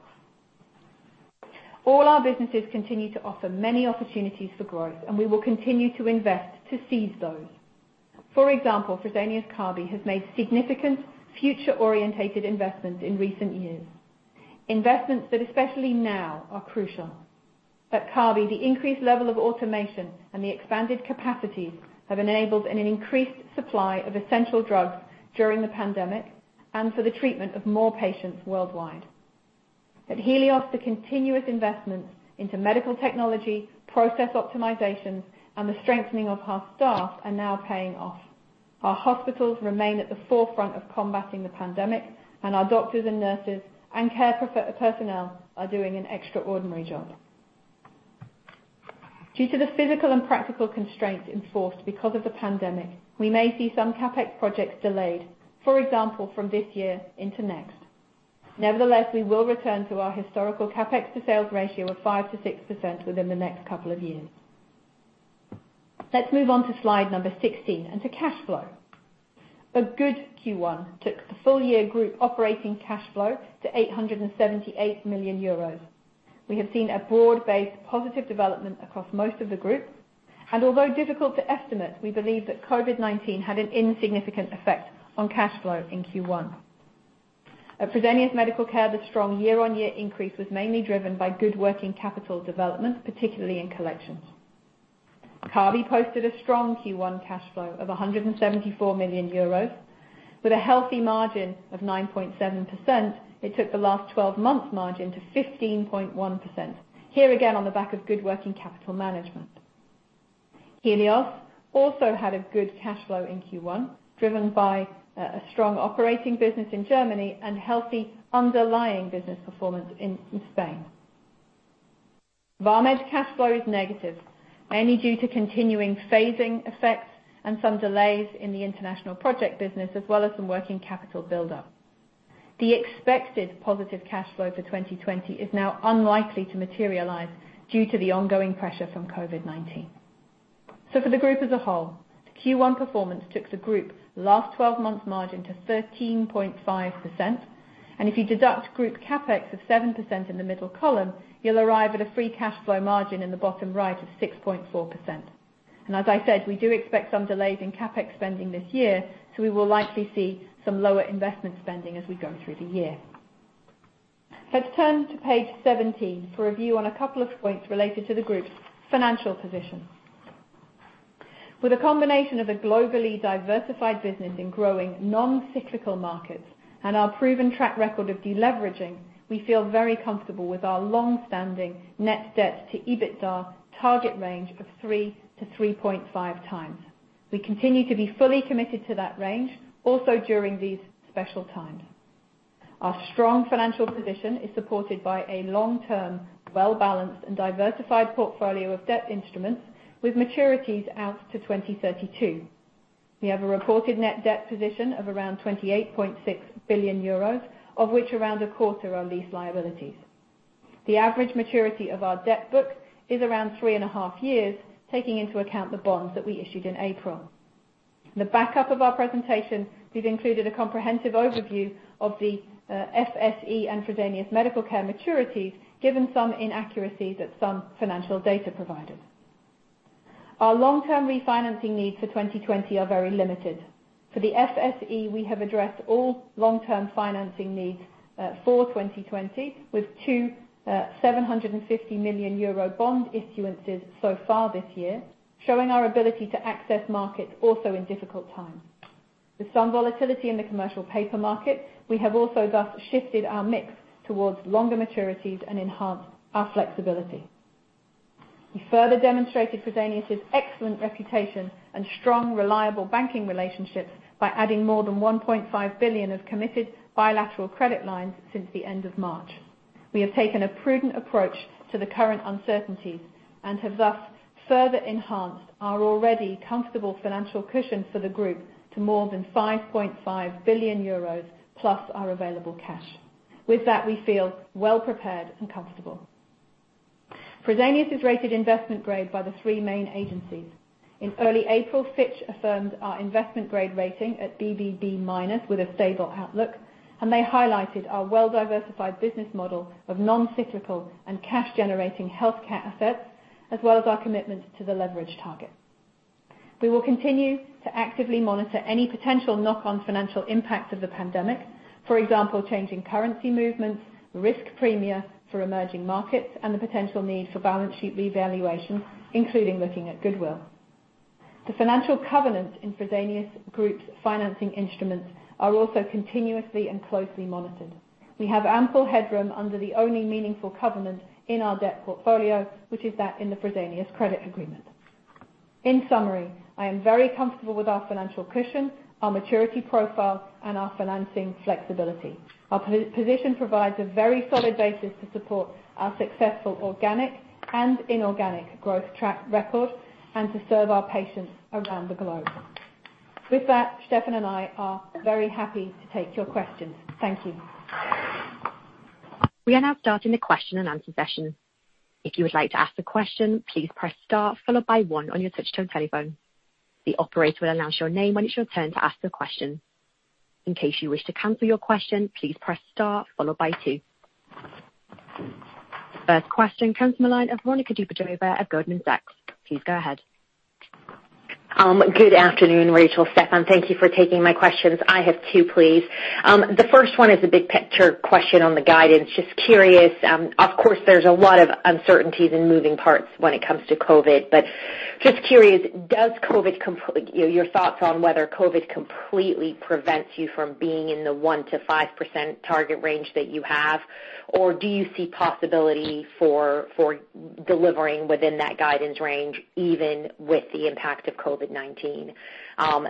Speaker 4: All our businesses continue to offer many opportunities for growth, and we will continue to invest to seize those. For example, Fresenius Kabi has made significant future-orientated investments in recent years, investments that especially now are crucial. At Kabi, the increased level of automation and the expanded capacities have enabled an increased supply of essential drugs during the pandemic and for the treatment of more patients worldwide. At Helios, the continuous investments into medical technology, process optimizations, and the strengthening of our staff are now paying off. Our hospitals remain at the forefront of combating the pandemic, and our doctors and nurses and care personnel are doing an extraordinary job. Due to the physical and practical constraints in force because of the pandemic, we may see some CapEx projects delayed, for example, from this year into next. Nevertheless, we will return to our historical CapEx to sales ratio of 5%-6% within the next couple of years. Let's move on to slide number 16 and to cash flow. A good Q1 took the full year group operating cash flow to 878 million euros. We have seen a broad-based positive development across most of the group, and although difficult to estimate, we believe that COVID-19 had an insignificant effect on cash flow in Q1. At Fresenius Medical Care, the strong year-on-year increase was mainly driven by good working capital development, particularly in collections. Kabi posted a strong Q1 cash flow of 174 million euros with a healthy margin of 9.7%. It took the last 12 months margin to 15.1%, here again on the back of good working capital management. Helios also had a good cash flow in Q1, driven by a strong operating business in Germany and healthy underlying business performance in Spain. Vamed cash flow is negative, mainly due to continuing phasing effects and some delays in the international project business, as well as some working capital buildup. The expected positive cash flow for 2020 is now unlikely to materialize due to the ongoing pressure from COVID-19. For the group as a whole, the Q1 performance took the group's last 12 months margin to 13.5%. If you deduct group CapEx of 7% in the middle column, you'll arrive at a free cash flow margin in the bottom right of 6.4%. As I said, we do expect some delays in CapEx spending this year, we will likely see some lower investment spending as we go through the year. Let's turn to page 17 for a view on a couple of points related to the group's financial position. With a combination of a globally diversified business in growing non-cyclical markets and our proven track record of deleveraging, we feel very comfortable with our long-standing net debt to EBITDA target range of 3x-3.5x. We continue to be fully committed to that range, also during these special times. Our strong financial position is supported by a long-term, well-balanced, and diversified portfolio of debt instruments with maturities out to 2032. We have a reported net debt position of around 28.6 billion, of which around a quarter are lease liabilities. The average maturity of our debt book is around three and a half years, taking into account the bonds that we issued in April. In the backup of our presentation, we've included a comprehensive overview of the FSE and Fresenius Medical Care maturities, given some inaccuracies at some financial data providers. Our long-term refinancing needs for 2020 are very limited. For the FSE, we have addressed all long-term financing needs for 2020 with two 750 million euro bond issuances so far this year, showing our ability to access markets also in difficult times. With some volatility in the commercial paper market, we have also thus shifted our mix towards longer maturities and enhanced our flexibility. We further demonstrated Fresenius' excellent reputation and strong, reliable banking relationships by adding more than 1.5 billion of committed bilateral credit lines since the end of March. We have taken a prudent approach to the current uncertainties and have thus further enhanced our already comfortable financial cushion for the group to more than 5.5 billion euros, plus our available cash. With that, we feel well prepared and comfortable. Fresenius is rated investment grade by the three main agencies. In early April, Fitch affirmed our investment grade rating at BBB- with a stable outlook. They highlighted our well-diversified business model of non-cyclical and cash-generating healthcare assets, as well as our commitment to the leverage target. We will continue to actively monitor any potential knock-on financial impact of the pandemic. For example, changing currency movements, risk premia for emerging markets, and the potential need for balance sheet revaluation, including looking at goodwill. The financial covenants in Fresenius Group's financing instruments are also continuously and closely monitored. We have ample headroom under the only meaningful covenant in our debt portfolio, which is that in the Fresenius credit agreement. In summary, I am very comfortable with our financial cushion, our maturity profile, and our financing flexibility. Our position provides a very solid basis to support our successful organic and inorganic growth track record and to serve our patients around the globe. Stephan and I are very happy to take your questions. Thank you.
Speaker 1: We are now starting the question and answer session. If you would like to ask a question, please press star followed by one on your touch-tone telephone. The operator will announce your name when it's your turn to ask the question. In case you wish to cancel your question, please press star followed by two. First question comes from the line of Veronika Dubajova of Goldman Sachs. Please go ahead.
Speaker 5: Good afternoon, Rachel, Stephan. Thank you for taking my questions. I have two, please. The first one is a big-picture question on the guidance. Just curious, of course, there's a lot of uncertainties and moving parts when it comes to COVID, but just curious, your thoughts on whether COVID completely prevents you from being in the 1%-5% target range that you have, or do you see possibility for delivering within that guidance range even with the impact of COVID-19?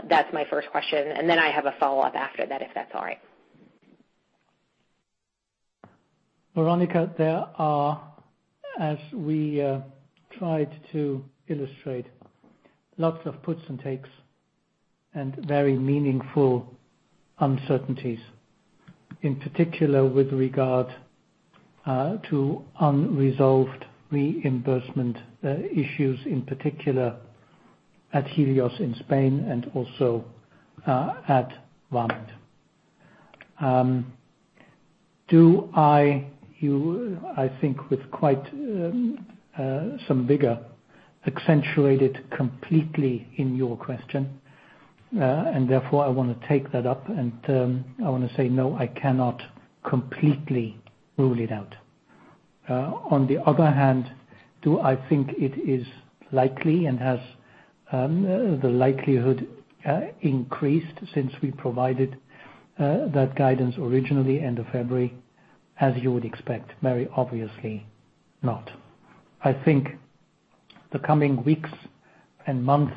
Speaker 5: That's my first question, and then I have a follow-up after that, if that's all right.
Speaker 3: Veronika, there are, as we tried to illustrate, lots of puts and takes and very meaningful uncertainties, in particular with regard to unresolved reimbursement issues, in particular at Helios in Spain and also at Vamed. I think with quite some vigor, accentuated completely in your question, and therefore I want to take that up and I want to say, no, I cannot completely rule it out. On the other hand, do I think it is likely and has the likelihood increased since we provided that guidance originally end of February? As you would expect, very obviously not. I think the coming weeks and months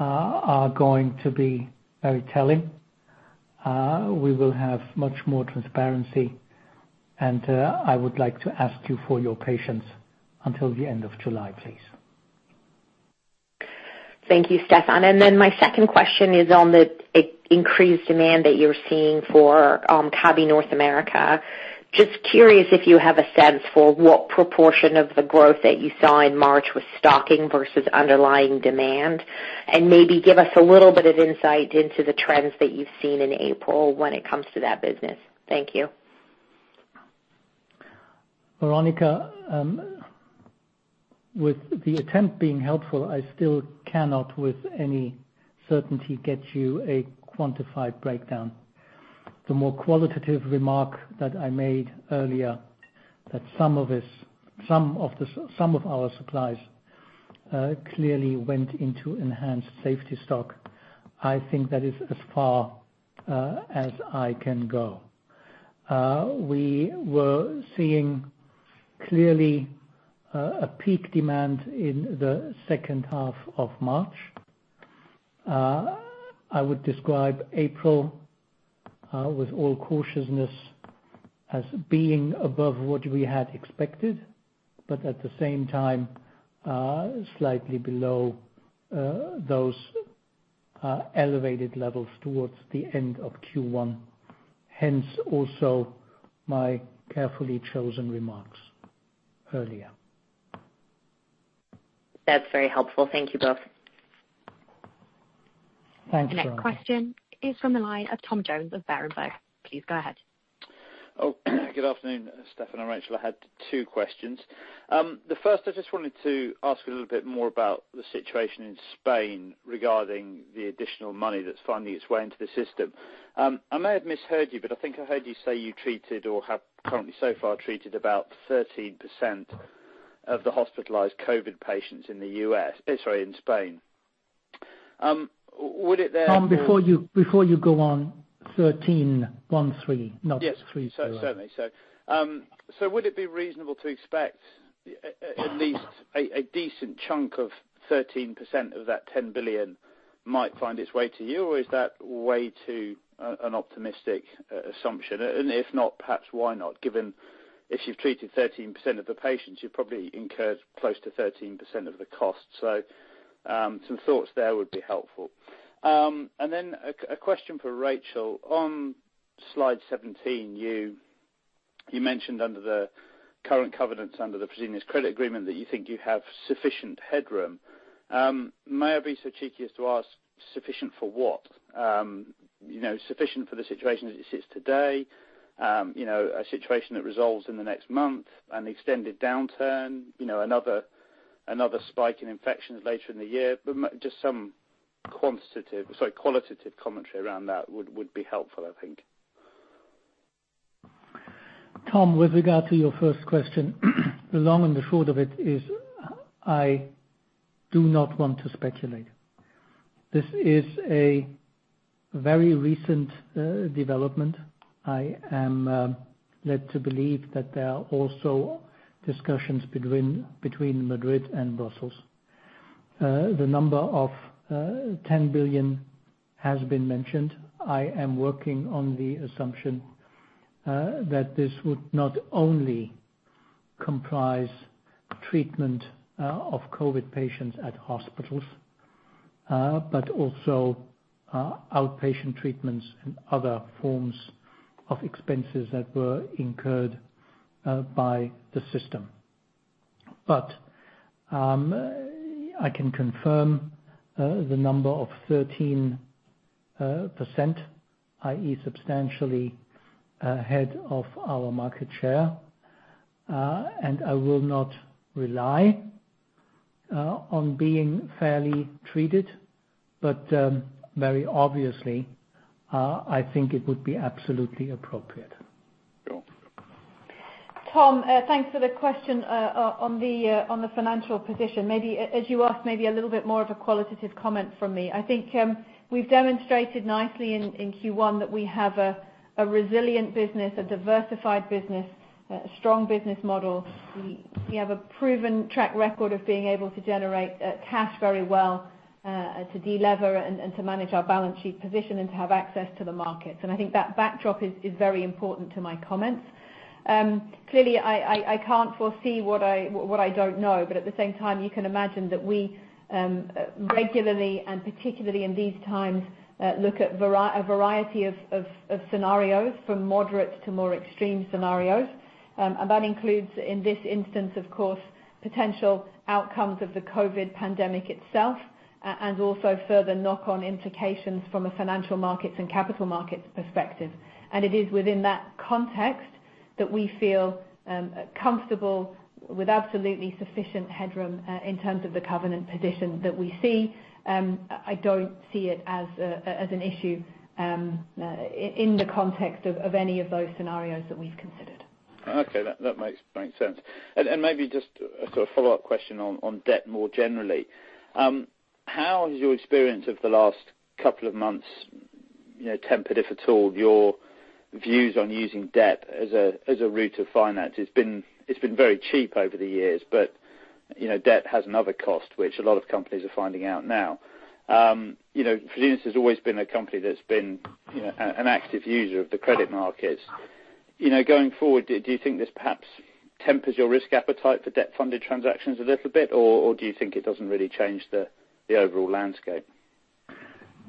Speaker 3: are going to be very telling. We will have much more transparency, and I would like to ask you for your patience until the end of July, please.
Speaker 5: Thank you, Stephan. My second question is on the increased demand that you're seeing for Kabi North America. Just curious if you have a sense for what proportion of the growth that you saw in March was stocking versus underlying demand, and maybe give us a little bit of insight into the trends that you've seen in April when it comes to that business. Thank you.
Speaker 3: Veronika, with the attempt being helpful, I still cannot with any certainty get you a quantified breakdown. The more qualitative remark that I made earlier that some of our supplies clearly went into enhanced safety stock. I think that is as far as I can go. We were seeing clearly a peak demand in the second half of March. I would describe April, with all cautiousness, as being above what we had expected, at the same time, slightly below those elevated levels towards the end of Q1. Also my carefully chosen remarks earlier.
Speaker 5: That's very helpful. Thank you both.
Speaker 3: Thanks, Veronika.
Speaker 1: The next question is from the line of Tom Jones of Berenberg. Please go ahead.
Speaker 6: Oh, good afternoon, Stephan and Rachel. I had two questions. The first, I just wanted to ask a little bit more about the situation in Spain regarding the additional money that's finding its way into the system. I may have misheard you, but I think I heard you say you treated or have currently so far treated about 30% of the hospitalized COVID patients in Spain. Would it then-
Speaker 3: Tom, before you go on, 13, one three, not three zero.
Speaker 6: Yes. Certainly. Would it be reasonable to expect at least a decent chunk of 13% of that 10 billion might find its way to you, or is that way too an optimistic assumption? If not, perhaps, why not? Given if you've treated 13% of the patients, you've probably incurred close to 13% of the cost. Some thoughts there would be helpful. A question for Rachel. On slide 17, you mentioned under the current covenants under the Fresenius credit agreement that you think you have sufficient headroom. May I be so cheeky as to ask sufficient for what? Sufficient for the situation as it sits today? A situation that resolves in the next month? An extended downturn? Another spike in infections later in the year? Just some qualitative commentary around that would be helpful, I think.
Speaker 3: Tom, with regard to your first question, the long and the short of it is I do not want to speculate. This is a very recent development. I am led to believe that there are also discussions between Madrid and Brussels. The number of 10 billion has been mentioned. I am working on the assumption that this would not only comprise treatment of COVID patients at hospitals, but also outpatient treatments and other forms of expenses that were incurred by the system. I can confirm the number of 13%, i.e. substantially ahead of our market share. I will not rely on being fairly treated, but very obviously, I think it would be absolutely appropriate.
Speaker 4: Tom, thanks for the question on the financial position. As you asked, maybe a little bit more of a qualitative comment from me. I think we've demonstrated nicely in Q1 that we have a resilient business, a diversified business, a strong business model. We have a proven track record of being able to generate cash very well to delever and to manage our balance sheet position and to have access to the markets. I think that backdrop is very important to my comments. Clearly, I can't foresee what I don't know. At the same time, you can imagine that we regularly, and particularly in these times, look at a variety of scenarios, from moderate to more extreme scenarios. That includes, in this instance, of course, potential outcomes of the COVID pandemic itself and also further knock-on implications from a financial markets and capital markets perspective. It is within that context that we feel comfortable with absolutely sufficient headroom, in terms of the covenant position that we see. I don't see it as an issue in the context of any of those scenarios that we've considered.
Speaker 6: Okay. That makes sense. Maybe just a follow-up question on debt more generally. How has your experience of the last couple of months tempered, if at all, your views on using debt as a route to finance? It's been very cheap over the years. Debt has another cost, which a lot of companies are finding out now. Fresenius has always been a company that's been an active user of the credit markets. Going forward, do you think this perhaps tempers your risk appetite for debt-funded transactions a little bit, or do you think it doesn't really change the overall landscape?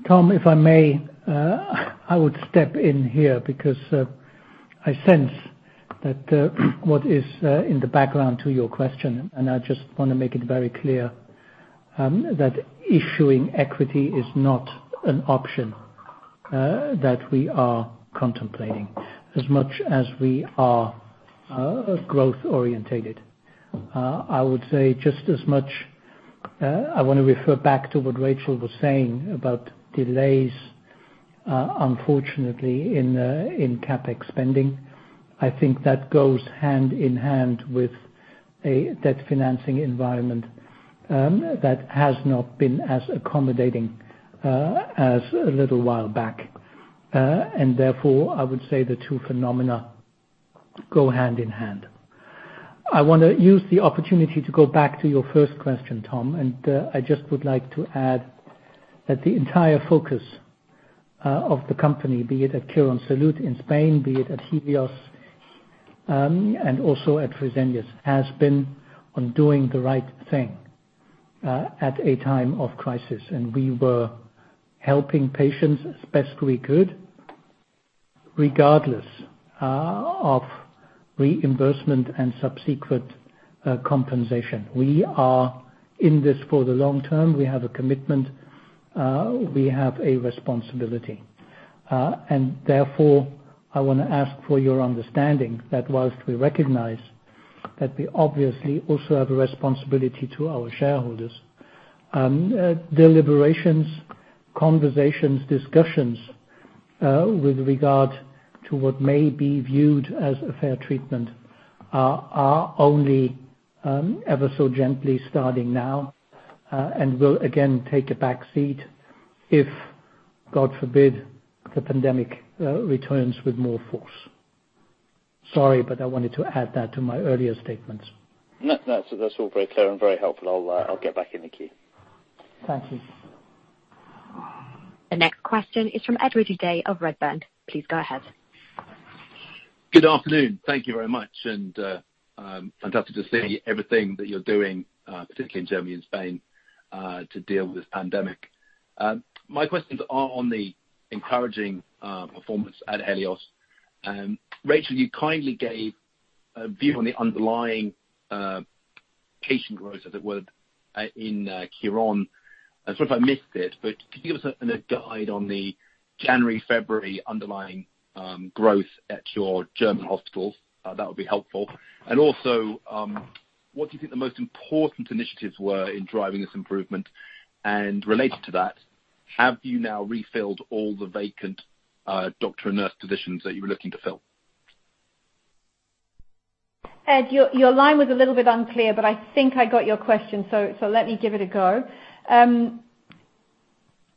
Speaker 3: Tom, if I may, I would step in here because I sense that what is in the background to your question, and I just want to make it very clear that issuing equity is not an option that we are contemplating as much as we are growth orientated. I would say just as much, I want to refer back to what Rachel was saying about delays, unfortunately, in CapEx spending. I think that goes hand in hand with a debt financing environment that has not been as accommodating as a little while back. Therefore, I would say the two phenomena go hand in hand. I want to use the opportunity to go back to your first question, Tom, and I just would like to add that the entire focus of the company, be it at Quirónsalud in Spain, be it at Helios, and also at Fresenius, has been on doing the right thing at a time of crisis. We were helping patients as best we could, regardless of reimbursement and subsequent compensation. We are in this for the long term. We have a commitment. We have a responsibility. Therefore, I want to ask for your understanding that whilst we recognize that we obviously also have a responsibility to our shareholders. Deliberations, conversations, discussions with regard to what may be viewed as a fair treatment are only ever so gently starting now, and will again take a backseat if, God forbid, the pandemic returns with more force. Sorry, I wanted to add that to my earlier statements.
Speaker 6: No, that's all very clear and very helpful. I'll get back in the queue.
Speaker 3: Thank you.
Speaker 1: The next question is from Ed Ridley-Day of Redburn. Please go ahead.
Speaker 7: Good afternoon. Thank you very much. Fantastic to see everything that you're doing, particularly in Germany and Spain, to deal with this pandemic. My questions are on the encouraging performance at Helios. Rachel, you kindly gave a view on the underlying patient growth, as it were, in Quirón. Sorry if I missed it, could you give us a guide on the January, February underlying growth at your German hospitals? That would be helpful. Also, what do you think the most important initiatives were in driving this improvement? Related to that, have you now refilled all the vacant doctor and nurse positions that you were looking to fill?
Speaker 4: Ed, your line was a little bit unclear, but I think I got your question, so let me give it a go.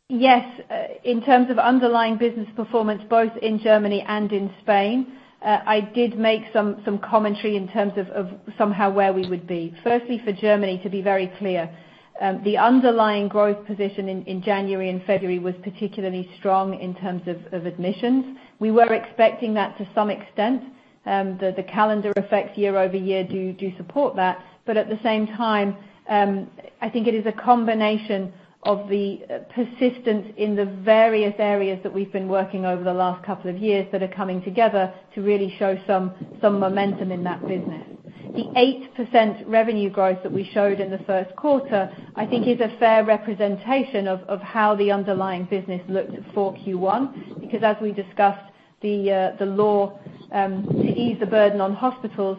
Speaker 4: Yes, in terms of underlying business performance both in Germany and in Spain, I did make some commentary in terms of somehow where we would be. Firstly, for Germany, to be very clear, the underlying growth position in January and February was particularly strong in terms of admissions. We were expecting that to some extent. The calendar effects year-over-year do support that. At the same time, I think it is a combination of the persistence in the various areas that we've been working over the last couple of years that are coming together to really show some momentum in that business. The 8% revenue growth that we showed in the first quarter, I think is a fair representation of how the underlying business looked for Q1. As we discussed, the law to ease the burden on hospitals,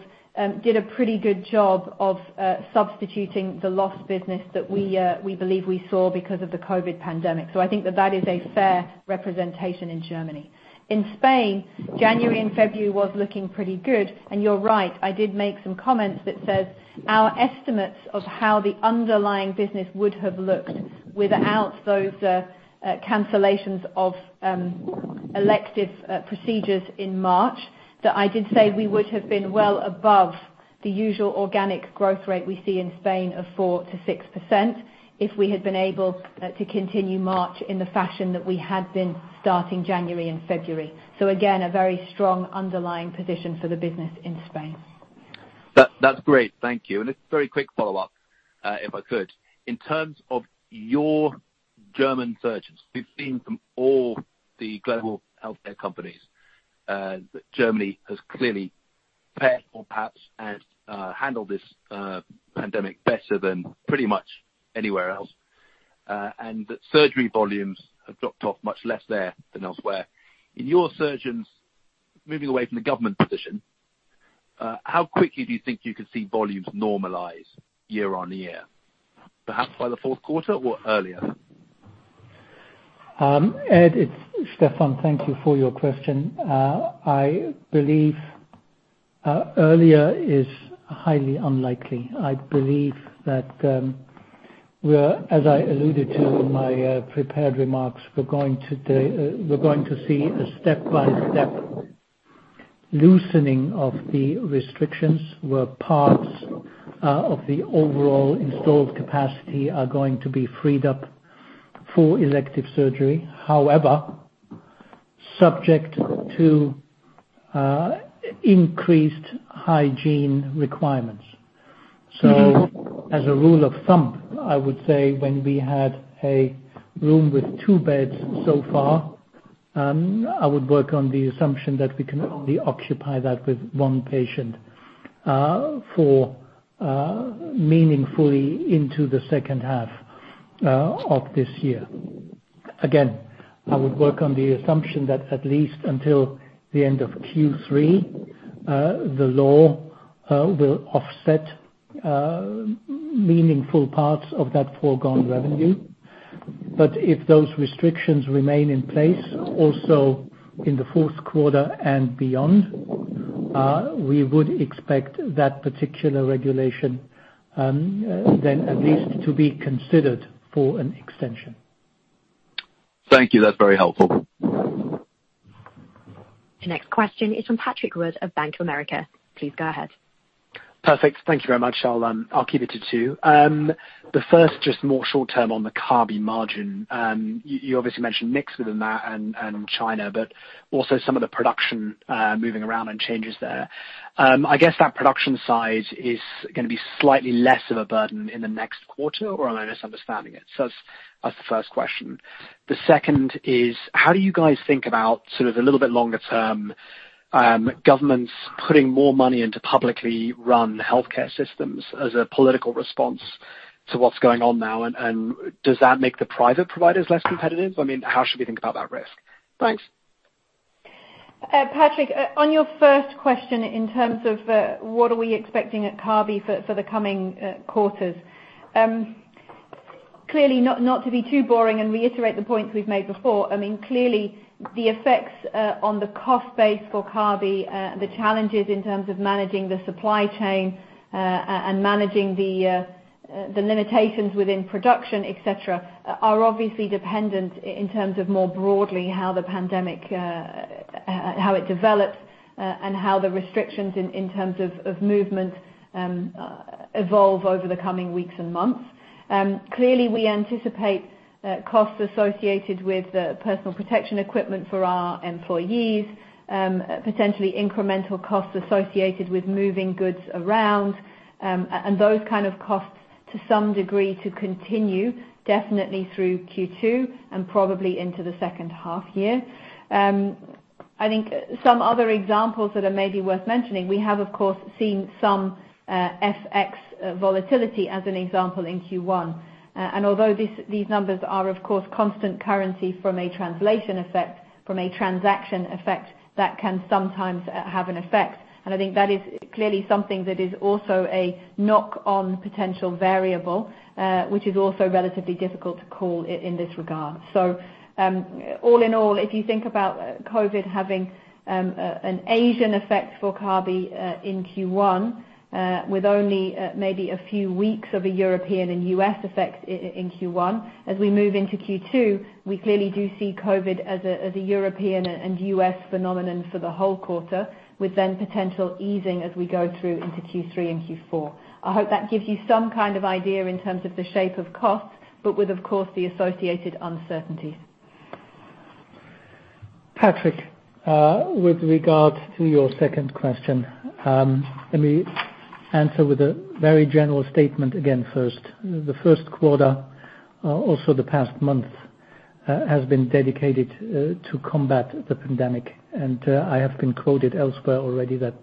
Speaker 4: did a pretty good job of substituting the lost business that we believe we saw because of the COVID pandemic. I think that that is a fair representation in Germany. In Spain, January and February was looking pretty good. You're right, I did make some comments that says our estimates of how the underlying business would have looked without those cancellations of elective procedures in March. That I did say we would have been well above the usual organic growth rate we see in Spain of 4%-6% if we had been able to continue March in the fashion that we had been starting January and February. Again, a very strong underlying position for the business in Spain.
Speaker 7: That's great. Thank you. A very quick follow-up, if I could. In terms of your German surgeons, we've seen from all the global healthcare companies that Germany has clearly fared or perhaps has handled this pandemic better than pretty much anywhere else, that surgery volumes have dropped off much less there than elsewhere. In your surgeons, moving away from the government position, how quickly do you think you could see volumes normalize year-on-year? Perhaps by the fourth quarter or earlier?
Speaker 3: Ed, it's Stephan. Thank you for your question. I believe earlier is highly unlikely. I believe that, as I alluded to in my prepared remarks, we're going to see a step-by-step loosening of the restrictions, where parts of the overall installed capacity are going to be freed up for elective surgery. Subject to increased hygiene requirements. As a rule of thumb, I would say when we had a room with two beds so far, I would work on the assumption that we can only occupy that with one patient for meaningfully into the second half of this year. Again, I would work on the assumption that at least until the end of Q3, the law will offset meaningful parts of that foregone revenue. If those restrictions remain in place also in the fourth quarter and beyond, we would expect that particular regulation, then at least to be considered for an extension.
Speaker 7: Thank you. That is very helpful.
Speaker 1: The next question is from Patrick Wood of Bank of America. Please go ahead.
Speaker 8: Perfect. Thank you very much. I'll keep it to two. The first, just more short-term on the Kabi margin. You obviously mentioned mix within that and China. Also some of the production moving around and changes there. I guess that production size is going to be slightly less of a burden in the next quarter. Am I misunderstanding it? That's the first question. The second is, how do you guys think about sort of a little bit longer term, governments putting more money into publicly run healthcare systems as a political response to what's going on now. Does that make the private providers less competitive? I mean, how should we think about that risk? Thanks.
Speaker 4: Patrick, on your first question in terms of what are we expecting at Kabi for the coming quarters. Clearly, not to be too boring and reiterate the points we've made before, clearly, the effects on the cost base for Kabi, the challenges in terms of managing the supply chain, and managing the limitations within production, et cetera, are obviously dependent in terms of more broadly how the pandemic develops, and how the restrictions in terms of movement evolve over the coming weeks and months. Clearly, we anticipate costs associated with personal protection equipment for our employees, potentially incremental costs associated with moving goods around, and those kind of costs, to some degree, to continue definitely through Q2 and probably into the second half year. I think some other examples that are maybe worth mentioning, we have, of course, seen some FX volatility as an example in Q1. Although these numbers are, of course, constant currency from a translation effect, from a transaction effect, that can sometimes have an effect. I think that is clearly something that is also a knock-on potential variable, which is also relatively difficult to call in this regard. All in all, if you think about COVID having an Asian effect for Kabi in Q1, with only maybe a few weeks of a European and U.S. effect in Q1, as we move into Q2, we clearly do see COVID as a European and U.S. phenomenon for the whole quarter, with then potential easing as we go through into Q3 and Q4. I hope that gives you some kind of idea in terms of the shape of costs, but with, of course, the associated uncertainties.
Speaker 3: Patrick, with regard to your second question, let me answer with a very general statement again first. The first quarter, also the past month, has been dedicated to combat the pandemic. I have been quoted elsewhere already that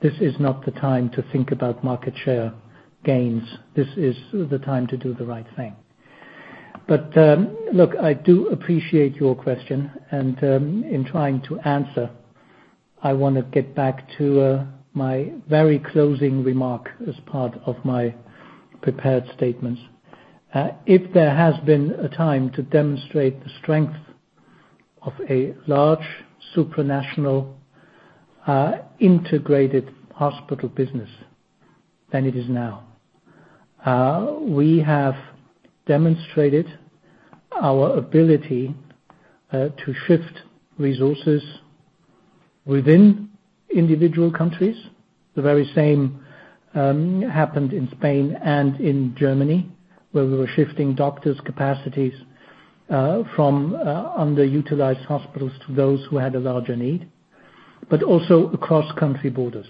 Speaker 3: this is not the time to think about market share gains. This is the time to do the right thing. Look, I do appreciate your question. In trying to answer, I want to get back to my very closing remark as part of my prepared statements. If there has been a time to demonstrate the strength of a large, supranational, integrated hospital business, then it is now. We have demonstrated our ability to shift resources within individual countries. The very same happened in Spain and in Germany, where we were shifting doctors' capacities from underutilized hospitals to those who had a larger need, but also across country borders.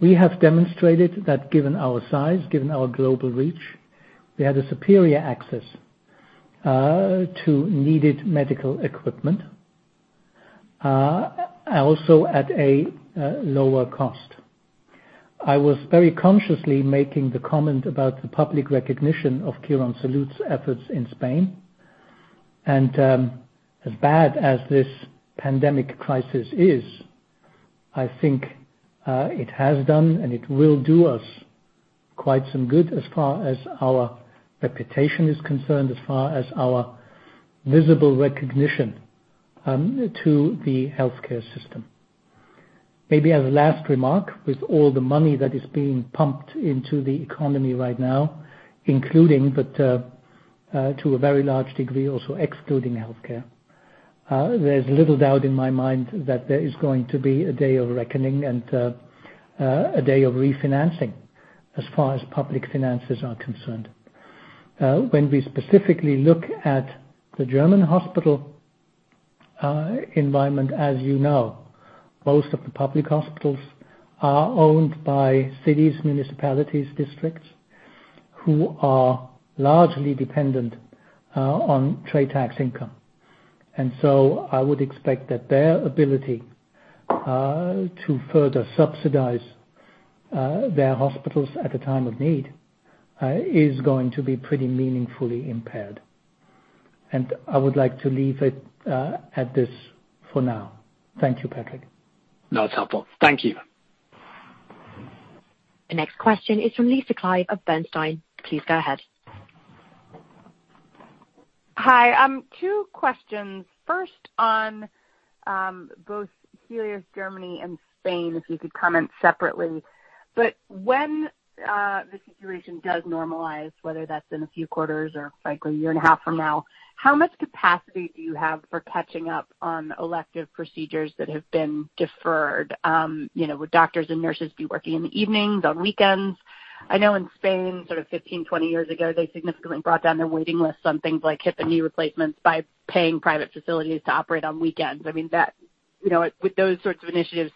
Speaker 3: We have demonstrated that given our size, given our global reach, we had a superior access to needed medical equipment, also at a lower cost. I was very consciously making the comment about the public recognition of Quirónsalud's efforts in Spain. As bad as this pandemic crisis is, I think it has done and it will do us quite some good as far as our reputation is concerned, as far as our visible recognition to the healthcare system. Maybe as a last remark, with all the money that is being pumped into the economy right now, including, but to a very large degree also excluding healthcare. There's little doubt in my mind that there is going to be a day of reckoning and a day of refinancing as far as public finances are concerned. When we specifically look at the German hospital environment, as you know, most of the public hospitals are owned by cities, municipalities, districts, who are largely dependent on trade tax income. I would expect that their ability to further subsidize their hospitals at a time of need is going to be pretty meaningfully impaired. I would like to leave it at this for now. Thank you, Patrick.
Speaker 8: No, it's helpful. Thank you.
Speaker 1: The next question is from Lisa Clive of Bernstein. Please go ahead.
Speaker 9: Hi. Two questions. First on both Helios Germany and Spain, if you could comment separately. When the situation does normalize, whether that's in a few quarters or likely a year and a half from now, how much capacity do you have for catching up on elective procedures that have been deferred? Would doctors and nurses be working in the evenings, on weekends? I know in Spain, 15, 20 years ago, they significantly brought down their waiting lists on things like hip and knee replacements by paying private facilities to operate on weekends. Would those sorts of initiatives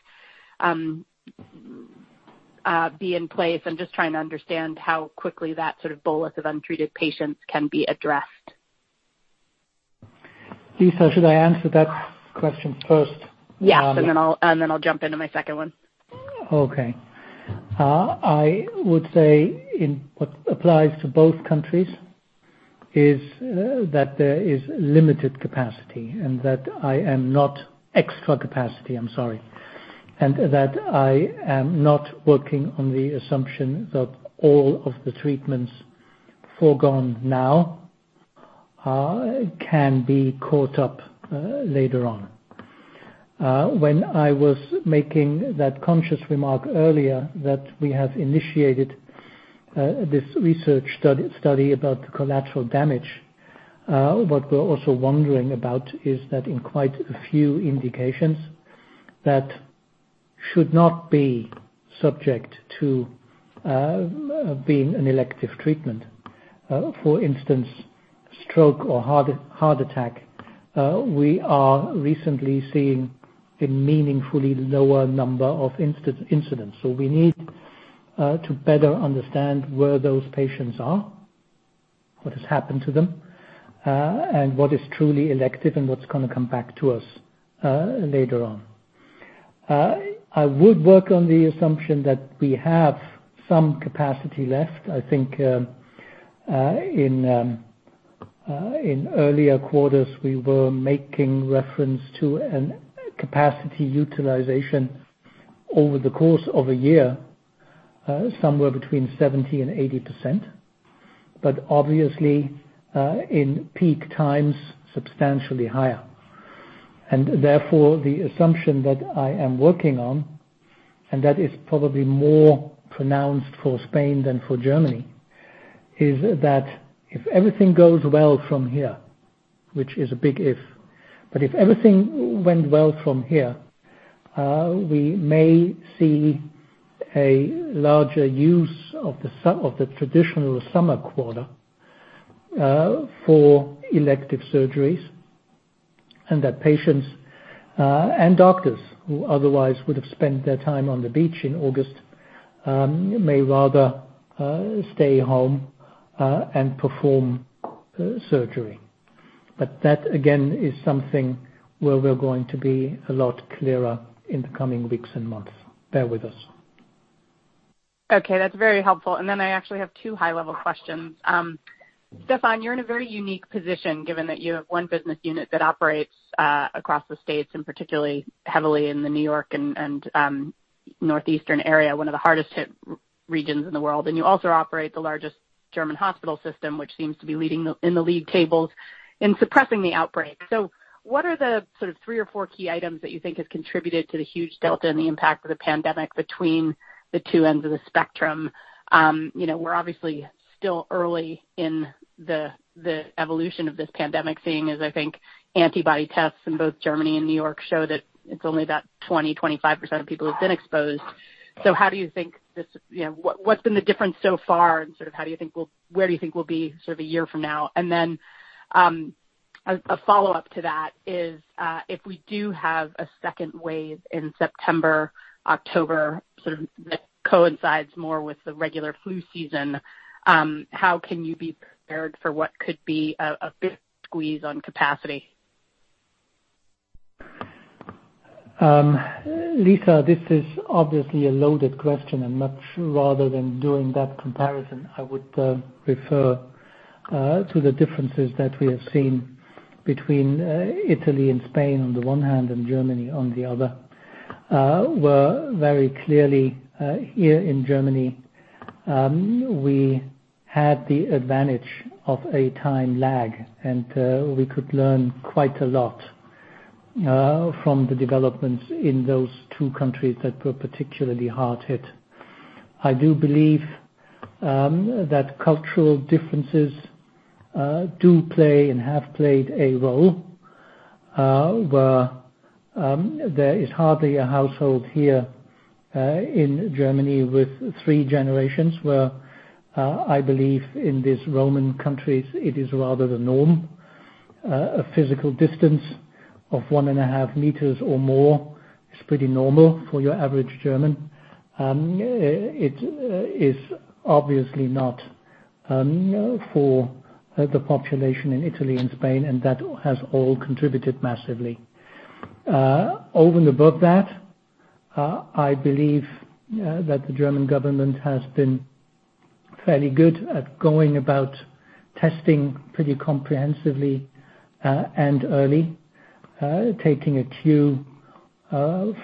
Speaker 9: be in place? I'm just trying to understand how quickly that sort of bolus of untreated patients can be addressed.
Speaker 3: Lisa, should I answer that question first?
Speaker 9: Yes. I'll jump into my second one.
Speaker 3: Okay. I would say what applies to both countries is that there is limited capacity. That I am not working on the assumption that all of the treatments forgone now, can be caught up later on. When I was making that conscious remark earlier that we have initiated this research study about collateral damage. What we're also wondering about is that in quite a few indications that should not be subject to being an elective treatment. For instance, stroke or heart attack, we are recently seeing a meaningfully lower number of incidents. We need to better understand where those patients are, what has happened to them, and what is truly elective and what's going to come back to us later on. I would work on the assumption that we have some capacity left. I think in earlier quarters, we were making reference to an capacity utilization over the course of a year, somewhere between 70% and 80%, but obviously, in peak times, substantially higher. Therefore, the assumption that I am working on, and that is probably more pronounced for Spain than for Germany, is that if everything goes well from here, which is a big if, but if everything went well from here, we may see a larger use of the traditional summer quarter, for elective surgeries. That patients, and doctors who otherwise would have spent their time on the beach in August, may rather stay home, and perform surgery. That, again, is something where we're going to be a lot clearer in the coming weeks and months. Bear with us.
Speaker 9: That's very helpful. I actually have two high-level questions. Stephan, you're in a very unique position given that you have one business unit that operates across the U.S., and particularly heavily in the New York and Northeastern area, one of the hardest hit regions in the world. You also operate the largest German hospital system, which seems to be in the lead tables in suppressing the outbreak. What are the three or four key items that you think have contributed to the huge delta in the impact of the pandemic between the two ends of the spectrum? We're obviously still early in the evolution of this pandemic thing is, I think antibody tests in both Germany and New York show that it's only about 20%, 25% of people who've been exposed. What's been the difference so far and where do you think we'll be sort of a year from now? A follow-up to that is, if we do have a second wave in September, October, sort of coincides more with the regular flu season, how can you be prepared for what could be a big squeeze on capacity?
Speaker 3: Lisa, this is obviously a loaded question. Much rather than doing that comparison, I would refer to the differences that we have seen between Italy and Spain on the one hand and Germany on the other, where very clearly, here in Germany, we had the advantage of a time lag, and we could learn quite a lot from the developments in those two countries that were particularly hard hit. I do believe that cultural differences do play and have played a role, where there is hardly a household here in Germany with three generations, where, I believe in these Roman countries, it is rather the norm. A physical distance of one and a half meters or more is pretty normal for your average German. It is obviously not for the population in Italy and Spain. That has all contributed massively. Over and above that, I believe that the German government has been fairly good at going about testing pretty comprehensively, and early, taking a cue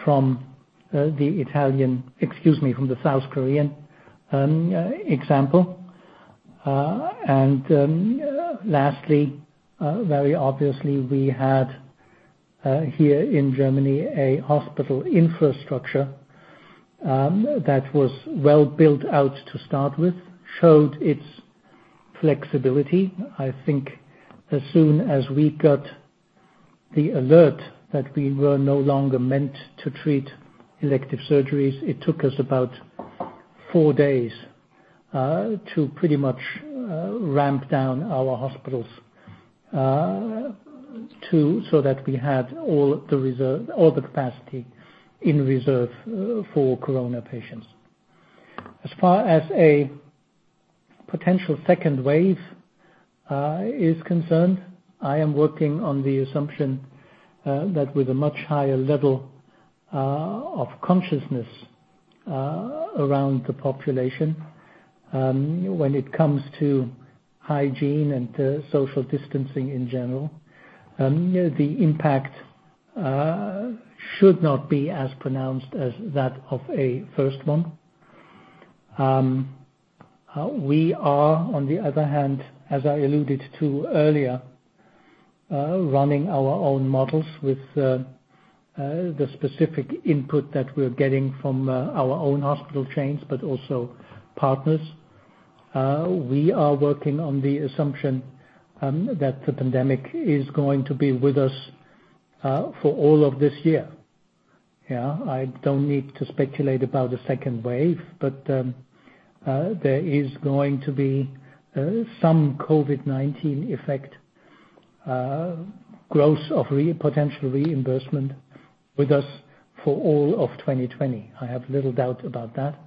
Speaker 3: from the Italian, excuse me, from the South Korean example. Lastly, very obviously, we had, here in Germany, a hospital infrastructure that was well built out to start with, showed its flexibility. I think as soon as we got the alert that we were no longer meant to treat elective surgeries, it took us about four days to pretty much ramp down our hospitals so that we had all the capacity in reserve for Corona patients. As far as a potential second wave is concerned, I am working on the assumption that with a much higher level of consciousness around the population, when it comes to hygiene and social distancing in general, the impact should not be as pronounced as that of a first one. We are, on the other hand, as I alluded to earlier, running our own models with the specific input that we're getting from our own hospital chains, but also partners. We are working on the assumption that the pandemic is going to be with us for all of this year. There is going to be some COVID-19 effect growth of potential reimbursement with us for all of 2020. I have little doubt about that.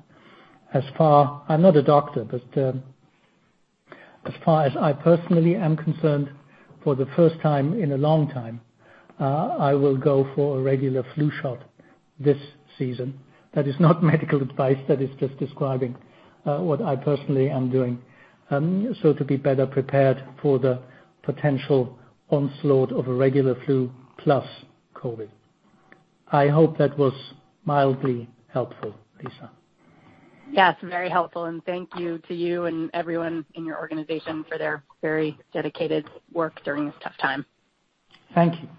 Speaker 3: I'm not a doctor, but as far as I personally am concerned, for the first time in a long time, I will go for a regular flu shot this season. That is not medical advice, that is just describing what I personally am doing. To be better prepared for the potential onslaught of a regular flu plus COVID-19. I hope that was mildly helpful, Lisa.
Speaker 9: Yes, very helpful, and thank you to you and everyone in your organization for their very dedicated work during this tough time.
Speaker 3: Thank you.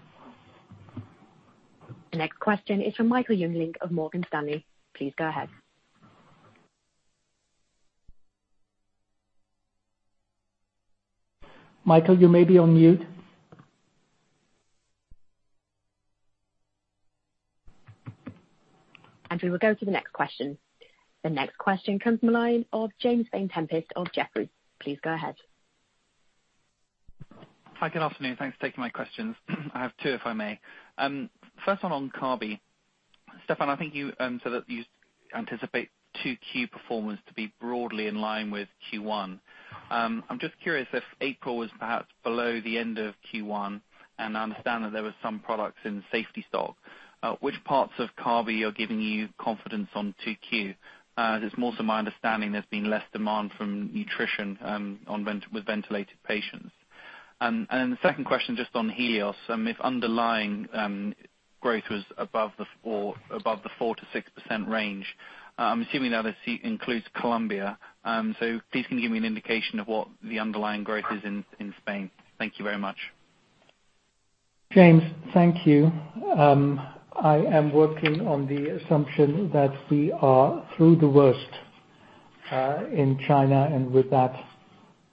Speaker 1: The next question is from Michael Jüngling of Morgan Stanley. Please go ahead.
Speaker 3: Michael, you may be on mute.
Speaker 1: We will go to the next question. The next question comes from the line of James Vane-Tempest of Jefferies. Please go ahead.
Speaker 10: Hi. Good afternoon. Thanks for taking my questions. I have two, if I may. First one on Kabi. Stephan, I think you said that you anticipate 2Q performance to be broadly in line with Q1. I'm just curious if April was perhaps below the end of Q1, and I understand that there were some products in safety stock. Which parts of Kabi are giving you confidence on 2Q? It's more so my understanding there's been less demand from nutrition with ventilated patients. The second question, just on Helios, if underlying growth was above the 4%-6% range, I'm assuming now this includes Colombia. Please, can you give me an indication of what the underlying growth is in Spain? Thank you very much.
Speaker 3: James, thank you. I am working on the assumption that we are through the worst, in China and with that,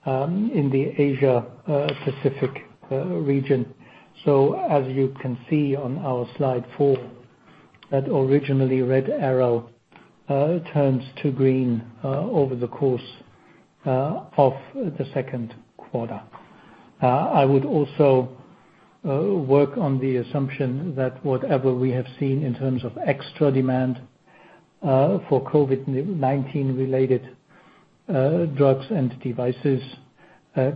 Speaker 3: in the Asia Pacific region. As you can see on our slide four, that originally red arrow turns to green over the course of the second quarter. I would also work on the assumption that whatever we have seen in terms of extra demand for COVID-19 related drugs and devices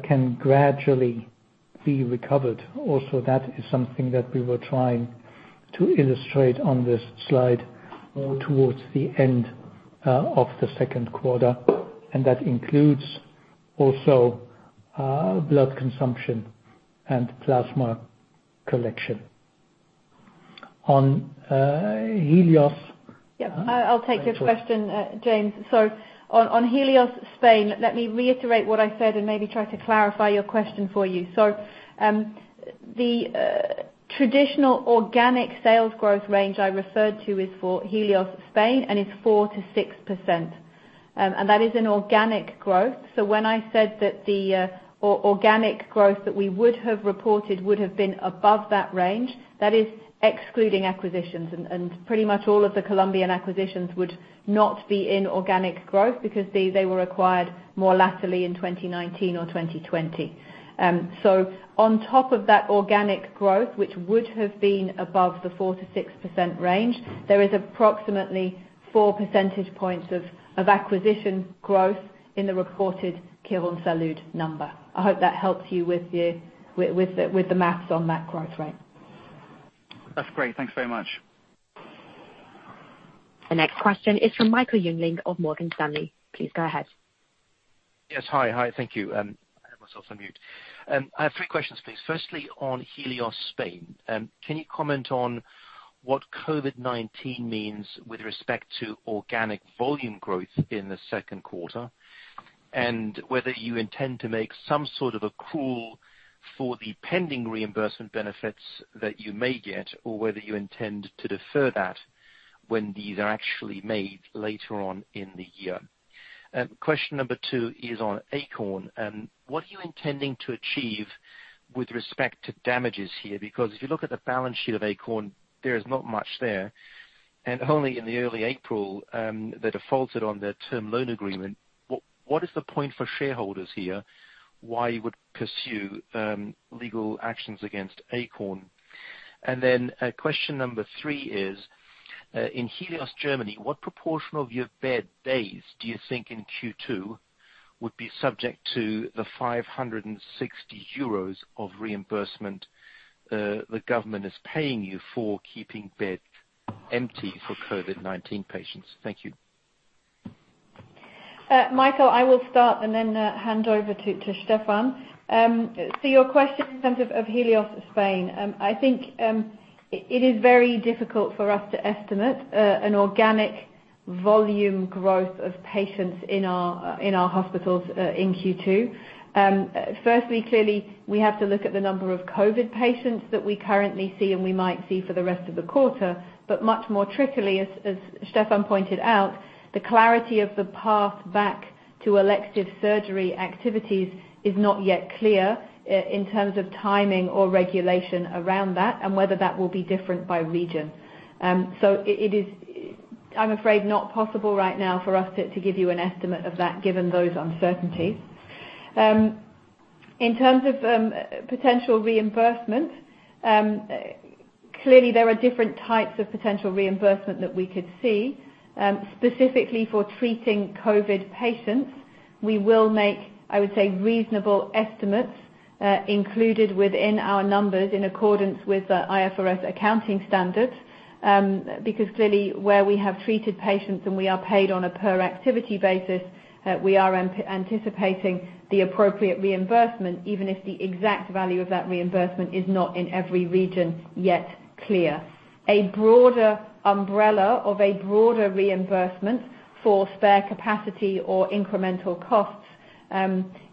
Speaker 3: can gradually be recovered. Also, that is something that we were trying to illustrate on this slide more towards the end of the second quarter, and that includes also blood consumption and plasma collection. On Helios.
Speaker 4: I'll take your question, James. On Helios Spain, let me reiterate what I said and maybe try to clarify your question for you. The traditional organic sales growth range I referred to is for Helios Spain, and it's 4%-6%, and that is an organic growth. When I said that the organic growth that we would have reported would have been above that range, that is excluding acquisitions, and pretty much all of the Colombian acquisitions would not be in organic growth because they were acquired more latterly in 2019 or 2020. On top of that organic growth, which would have been above the 4%-6% range, there is approximately four percentage points of acquisition growth in the reported Quirónsalud number. I hope that helps you with the math on that growth rate.
Speaker 10: That's great. Thanks very much.
Speaker 1: The next question is from Michael Jüngling of Morgan Stanley. Please go ahead.
Speaker 11: Yes. Hi. Thank you. I had myself on mute. I have three questions, please. Firstly, on Helios Spain. Can you comment on what COVID-19 means with respect to organic volume growth in the second quarter, and whether you intend to make some sort of accrual for the pending reimbursement benefits that you may get, or whether you intend to defer that when these are actually made later on in the year. Question number 2 is on Akorn. What are you intending to achieve with respect to damages here? If you look at the balance sheet of Akorn, there is not much there. Only in the early April, they defaulted on their term loan agreement. What is the point for shareholders here, why you would pursue legal actions against Akorn? Question number three is, in Helios Germany, what proportion of your bed days do you think in Q2 would be subject to the €560 of reimbursement the government is paying you for keeping beds empty for COVID-19 patients? Thank you.
Speaker 4: Michael, I will start and then hand over to Stephan. To your question in terms of Helios Spain, I think it is very difficult for us to estimate an organic volume growth of patients in our hospitals in Q2. Firstly, clearly, we have to look at the number of COVID-19 patients that we currently see and we might see for the rest of the quarter. Much more trickily, as Stephan pointed out, the clarity of the path back to elective surgery activities is not yet clear in terms of timing or regulation around that and whether that will be different by region. It is, I'm afraid, not possible right now for us to give you an estimate of that given those uncertainties. In terms of potential reimbursement, clearly there are different types of potential reimbursement that we could see. Specifically for treating COVID patients, we will make, I would say, reasonable estimates included within our numbers in accordance with IFRS accounting standards. Clearly, where we have treated patients and we are paid on a per-activity basis, we are anticipating the appropriate reimbursement, even if the exact value of that reimbursement is not in every region yet clear. A broader umbrella of a broader reimbursement for spare capacity or incremental costs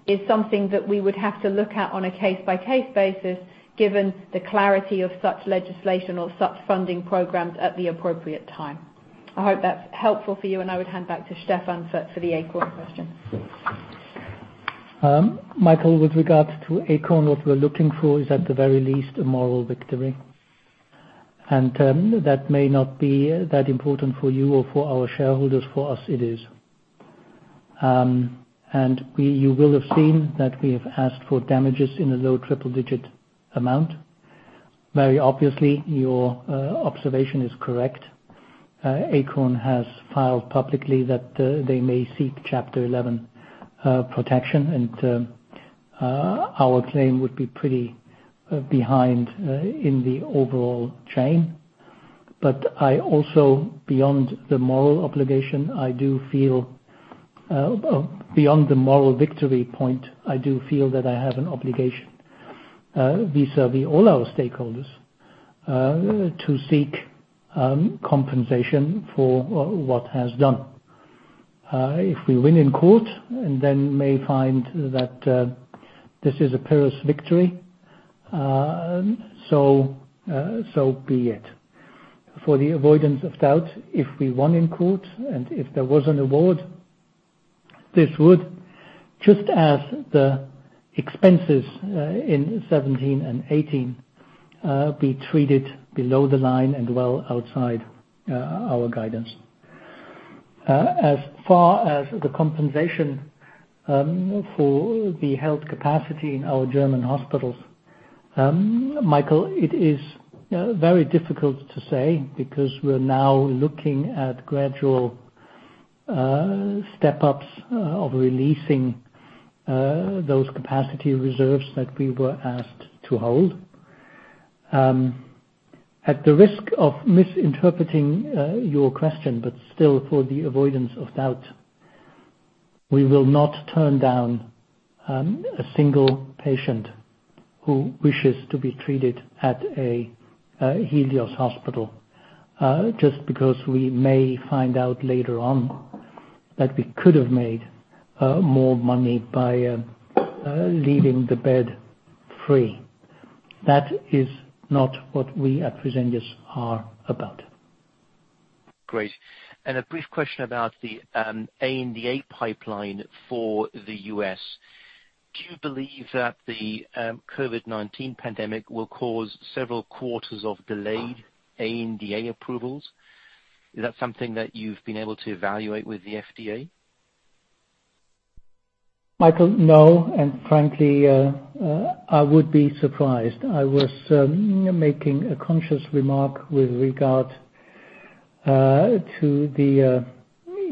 Speaker 4: is something that we would have to look at on a case-by-case basis, given the clarity of such legislation or such funding programs at the appropriate time. I hope that's helpful for you. I would hand back to Stephan for the Akorn question.
Speaker 3: Michael, with regards to Akorn, what we're looking for is at the very least, a moral victory. That may not be that important for you or for our shareholders. For us, it is. You will have seen that we have asked for damages in a low triple digit amount. Very obviously, your observation is correct. Akorn has filed publicly that they may seek Chapter 11 protection, and our claim would be pretty behind in the overall chain. I also, beyond the moral victory point, I do feel that I have an obligation vis-à-vis all our stakeholders to seek compensation for what has done. If we win in court, then may find that this is a Pyrrhic victory. Be it. For the avoidance of doubt, if we won in court and if there was an award, this would, just as the expenses in 2017 and 2018, be treated below the line and well outside our guidance. As far as the compensation for the health capacity in our German hospitals, Michael, it is very difficult to say because we're now looking at gradual step-ups of releasing those capacity reserves that we were asked to hold. At the risk of misinterpreting your question, but still for the avoidance of doubt, we will not turn down a single patient who wishes to be treated at a Helios hospital just because we may find out later on that we could have made more money by leaving the bed free. That is not what we at Fresenius are about.
Speaker 11: Great. A brief question about the ANDA pipeline for the U.S. Do you believe that the COVID-19 pandemic will cause several quarters of delayed ANDA approvals? Is that something that you've been able to evaluate with the FDA?
Speaker 3: Michael, no. Frankly, I would be surprised. I was making a conscious remark with regard to the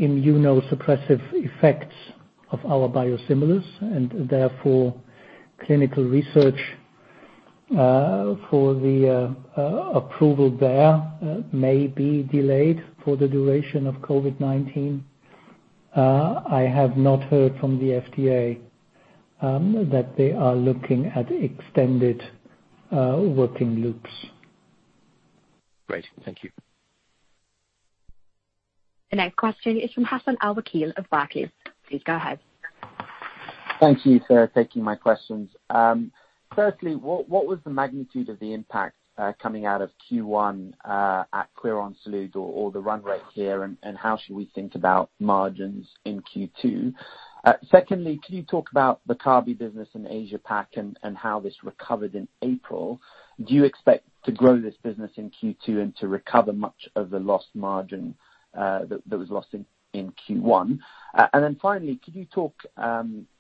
Speaker 3: immunosuppressive effects of our biosimilars and therefore clinical research for the approval there may be delayed for the duration of COVID-19. I have not heard from the FDA that they are looking at extended working loops.
Speaker 11: Great. Thank you.
Speaker 1: The next question is from Hassan Al-Wakeel of Barclays. Please go ahead.
Speaker 12: Thank you for taking my questions. Firstly, what was the magnitude of the impact coming out of Q1 at Quirónsalud or the run rate here, and how should we think about margins in Q2? Secondly, can you talk about the Kabi business in Asia Pac and how this recovered in April? Do you expect to grow this business in Q2 and to recover much of the lost margin that was lost in Q1? Finally, could you talk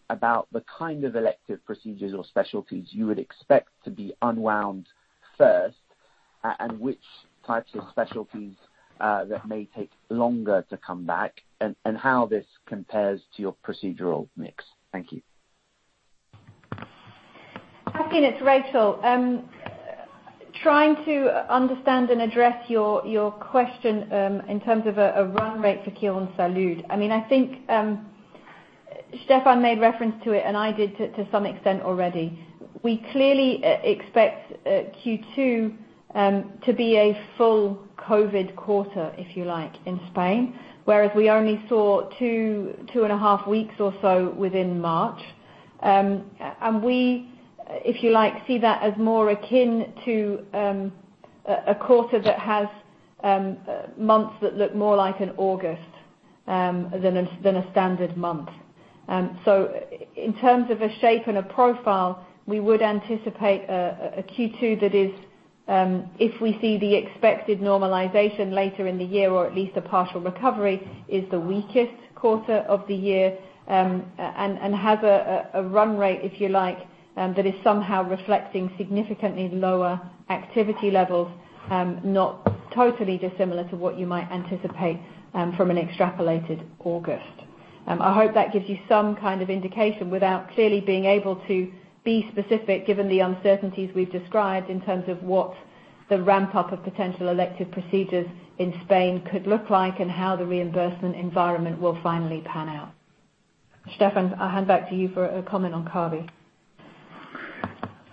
Speaker 12: about the kind of elective procedures or specialties you would expect to be unwound first, and which types of specialties that may take longer to come back, and how this compares to your procedural mix? Thank you.
Speaker 4: Hassan, it's Rachel. Trying to understand and address your question in terms of a run rate for Quirónsalud. I think Stephan made reference to it, and I did to some extent already. We clearly expect Q2 to be a full COVID quarter, if you like, in Spain, whereas we only saw two and a half weeks or so within March. We, if you like, see that as more akin to a quarter that has months that look more like an August than a standard month. In terms of a shape and a profile, we would anticipate a Q2 that is, if we see the expected normalization later in the year or at least a partial recovery, is the weakest quarter of the year, and has a run rate, if you like, that is somehow reflecting significantly lower activity levels, not totally dissimilar to what you might anticipate from an extrapolated August. I hope that gives you some kind of indication without clearly being able to be specific, given the uncertainties we've described in terms of what the ramp-up of potential elective procedures in Spain could look like and how the reimbursement environment will finally pan out. Stephan, I'll hand back to you for a comment on Kabi.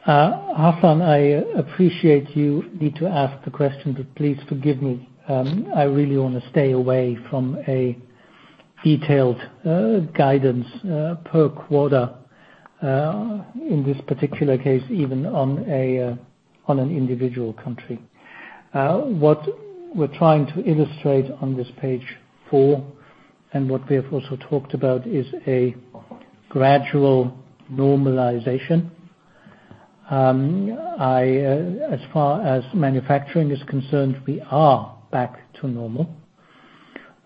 Speaker 3: Hassan, I appreciate you need to ask the question, but please forgive me. I really want to stay away from a detailed guidance per quarter, in this particular case, even on an individual country. What we're trying to illustrate on this page four and what we have also talked about is a gradual normalization. As far as manufacturing is concerned, we are back to normal.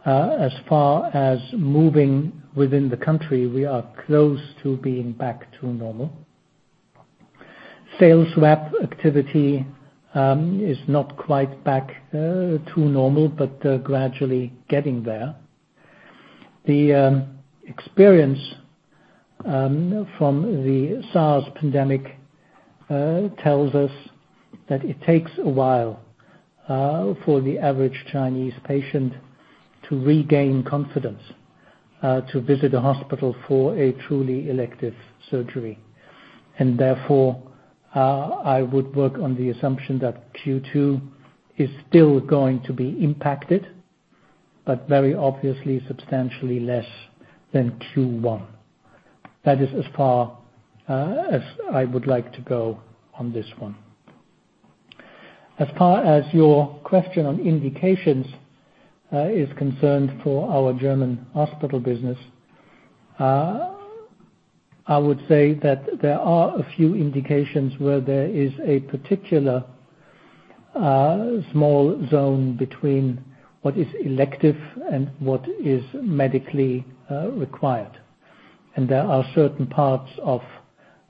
Speaker 3: As far as moving within the country, we are close to being back to normal. Sales rep activity is not quite back to normal, but gradually getting there. The experience from the SARS pandemic tells us that it takes a while for the average Chinese patient to regain confidence to visit a hospital for a truly elective surgery. Therefore, I would work on the assumption that Q2 is still going to be impacted, but very obviously substantially less than Q1. That is as far as I would like to go on this one. As far as your question on indications is concerned for our German hospital business, I would say that there are a few indications where there is a particular small zone between what is elective and what is medically required. There are certain parts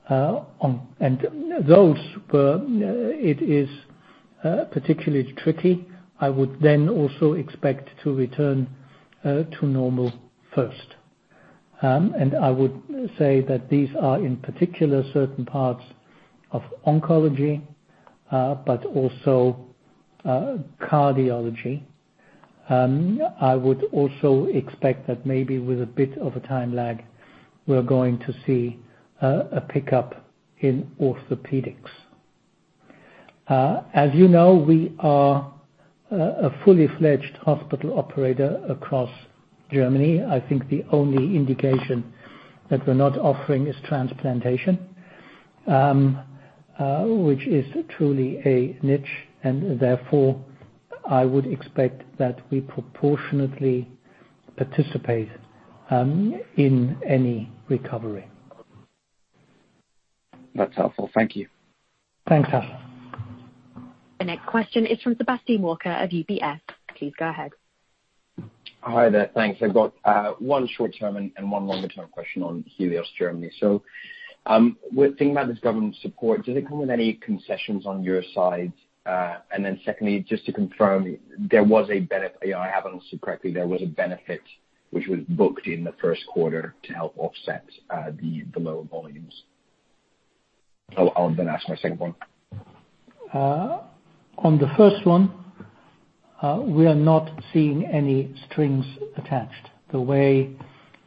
Speaker 3: and those where it is particularly tricky. I would then also expect to return to normal first. I would say that these are in particular certain parts of oncology, but also cardiology. I would also expect that maybe with a bit of a time lag, we're going to see a pickup in orthopedics. As you know, we are a fully fledged hospital operator across Germany. I think the only indication that we're not offering is transplantation, which is truly a niche, and therefore, I would expect that we proportionately participate in any recovery.
Speaker 12: That's helpful. Thank you.
Speaker 3: Thanks, Hassan.
Speaker 1: The next question is from Sebastian Walker of UBS. Please go ahead.
Speaker 13: Hi there. Thanks. I've got one short-term and one longer term question on Helios Germany. Thinking about this government support, does it come with any concessions on your side? Secondly, just to confirm, if I haven't listened correctly, there was a benefit which was booked in the first quarter to help offset the lower volumes. I'll ask my second one.
Speaker 3: On the first one, we are not seeing any strings attached. The way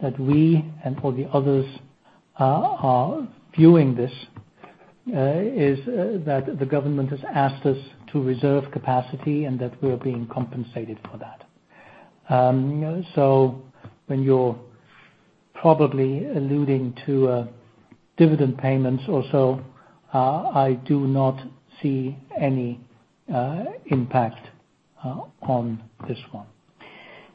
Speaker 3: that we and all the others are viewing this is that the government has asked us to reserve capacity and that we are being compensated for that. When you're probably alluding to dividend payments also, I do not see any impact on this one.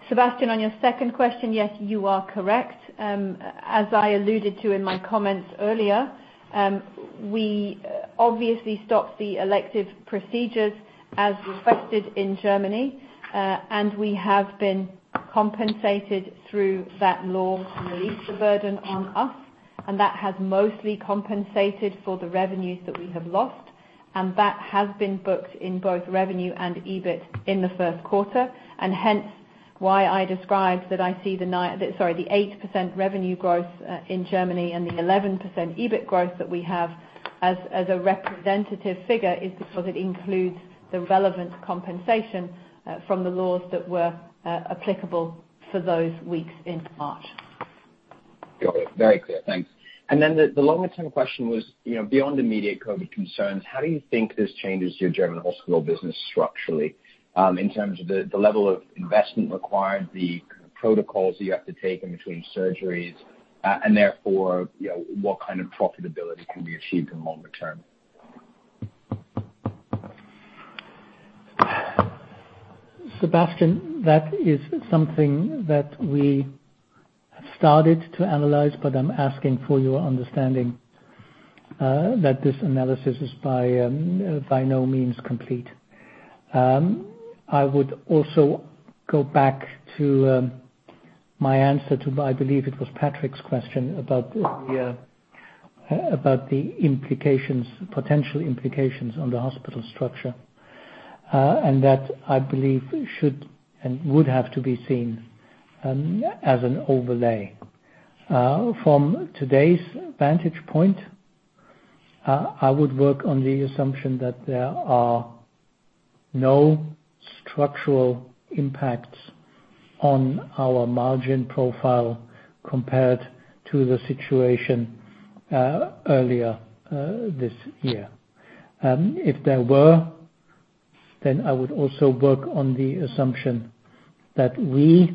Speaker 4: Sebastian, on your second question, yes, you are correct. I alluded to in my comments earlier, we obviously stopped the elective procedures as requested in Germany. We have been compensated through that law to release the burden on us. That has mostly compensated for the revenues that we have lost. That has been booked in both revenue and EBIT in the first quarter. Why I described that I see the 8% revenue growth in Germany and the 11% EBIT growth that we have as a representative figure is because it includes the relevant compensation from the laws that were applicable for those weeks in March.
Speaker 13: Got it. Very clear. Thanks. The longer-term question was, beyond immediate COVID concerns, how do you think this changes your German hospital business structurally in terms of the level of investment required, the protocols you have to take in between surgeries, and therefore, what kind of profitability can be achieved in longer term?
Speaker 3: Sebastian, that is something that we started to analyze. I'm asking for your understanding that this analysis is by no means complete. I would also go back to my answer to, I believe it was Patrick's question, about the potential implications on the hospital structure. That, I believe, should and would have to be seen as an overlay. From today's vantage point, I would work on the assumption that there are no structural impacts on our margin profile compared to the situation earlier this year. If there were, I would also work on the assumption that we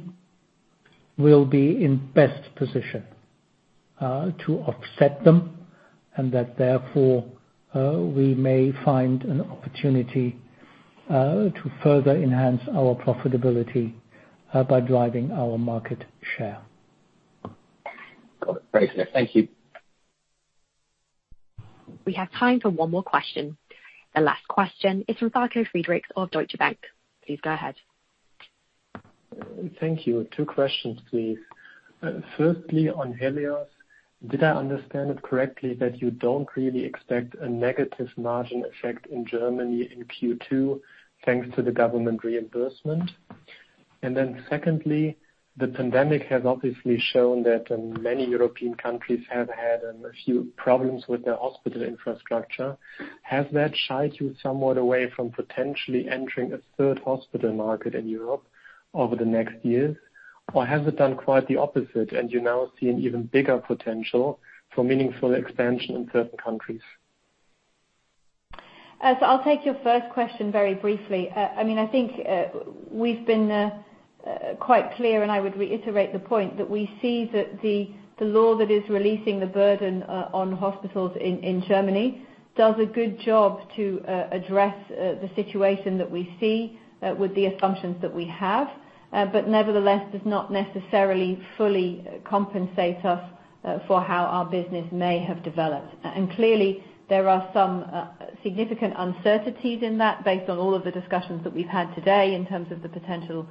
Speaker 3: will be in best position to offset them. That therefore, we may find an opportunity to further enhance our profitability by driving our market share.
Speaker 13: Got it. Very clear. Thank you.
Speaker 1: We have time for one more question. The last question is from Falko Friedrichs of Deutsche Bank. Please go ahead.
Speaker 14: Thank you. Two questions, please. Firstly, on Helios, did I understand it correctly that you don't really expect a negative margin effect in Germany in Q2 thanks to the government reimbursement? The pandemic has obviously shown that many European countries have had a few problems with their hospital infrastructure. Has that shied you somewhat away from potentially entering a third hospital market in Europe over the next years? Has it done quite the opposite, and you now see an even bigger potential for meaningful expansion in certain countries?
Speaker 4: I'll take your first question very briefly. I think we've been quite clear, and I would reiterate the point, that we see that the law that is releasing the burden on hospitals in Germany does a good job to address the situation that we see with the assumptions that we have. Nevertheless, does not necessarily fully compensate us for how our business may have developed. Clearly, there are some significant uncertainties in that based on all of the discussions that we've had today in terms of the potential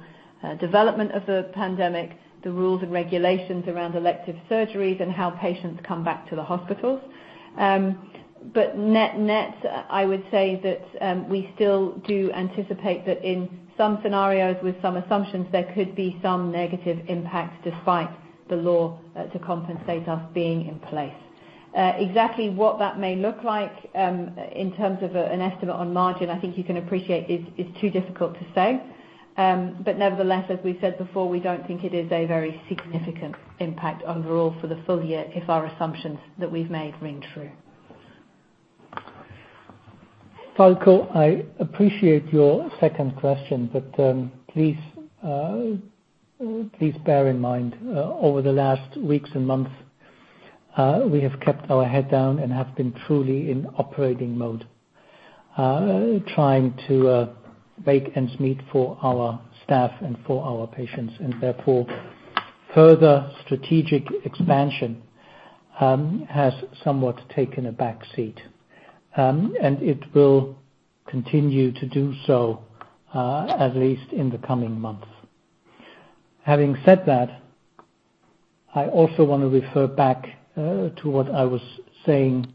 Speaker 4: development of the pandemic, the rules and regulations around elective surgeries, and how patients come back to the hospitals. Net, I would say that we still do anticipate that in some scenarios, with some assumptions, there could be some negative impacts despite the law to compensate us being in place. Exactly what that may look like in terms of an estimate on margin, I think you can appreciate, is too difficult to say. Nevertheless, as we've said before, we don't think it is a very significant impact overall for the full year if our assumptions that we've made ring true.
Speaker 3: Falko, I appreciate your second question, but please bear in mind, over the last weeks and months, we have kept our head down and have been truly in operating mode, trying to make ends meet for our staff and for our patients. Therefore, further strategic expansion has somewhat taken a back seat. It will continue to do so, at least in the coming months. Having said that, I also want to refer back to what I was saying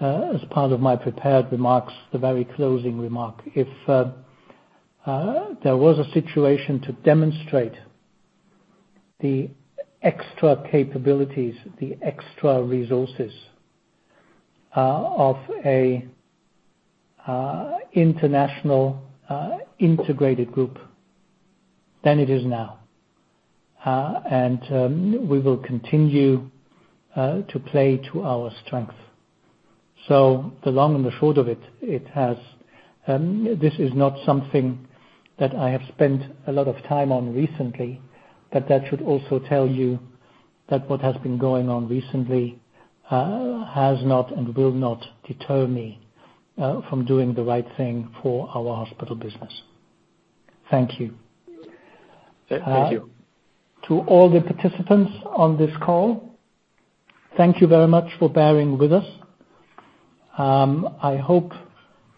Speaker 3: as part of my prepared remarks, the very closing remark. If there was a situation to demonstrate the extra capabilities, the extra resources of an international integrated group then it is now. We will continue to play to our strength. The long and the short of it, this is not something that I have spent a lot of time on recently, but that should also tell you that what has been going on recently has not and will not deter me from doing the right thing for our hospital business. Thank you.
Speaker 14: Thank you.
Speaker 3: To all the participants on this call, thank you very much for bearing with us. I hope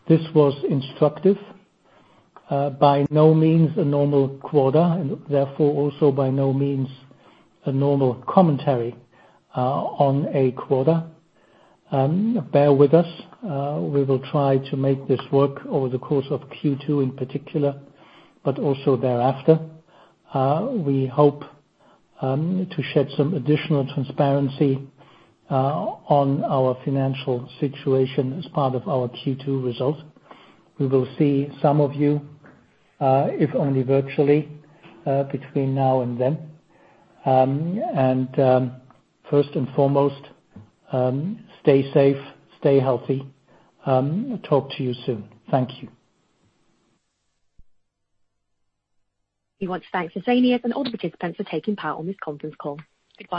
Speaker 3: this was instructive. By no means a normal quarter and therefore also by no means a normal commentary on a quarter. Bear with us. We will try to make this work over the course of Q2 in particular, but also thereafter. We hope to shed some additional transparency on our financial situation as part of our Q2 results. We will see some of you, if only virtually, between now and then. First and foremost, stay safe, stay healthy. Talk to you soon. Thank you.
Speaker 1: We want to thank Fresenius and all the participants for taking part on this conference call. Goodbye.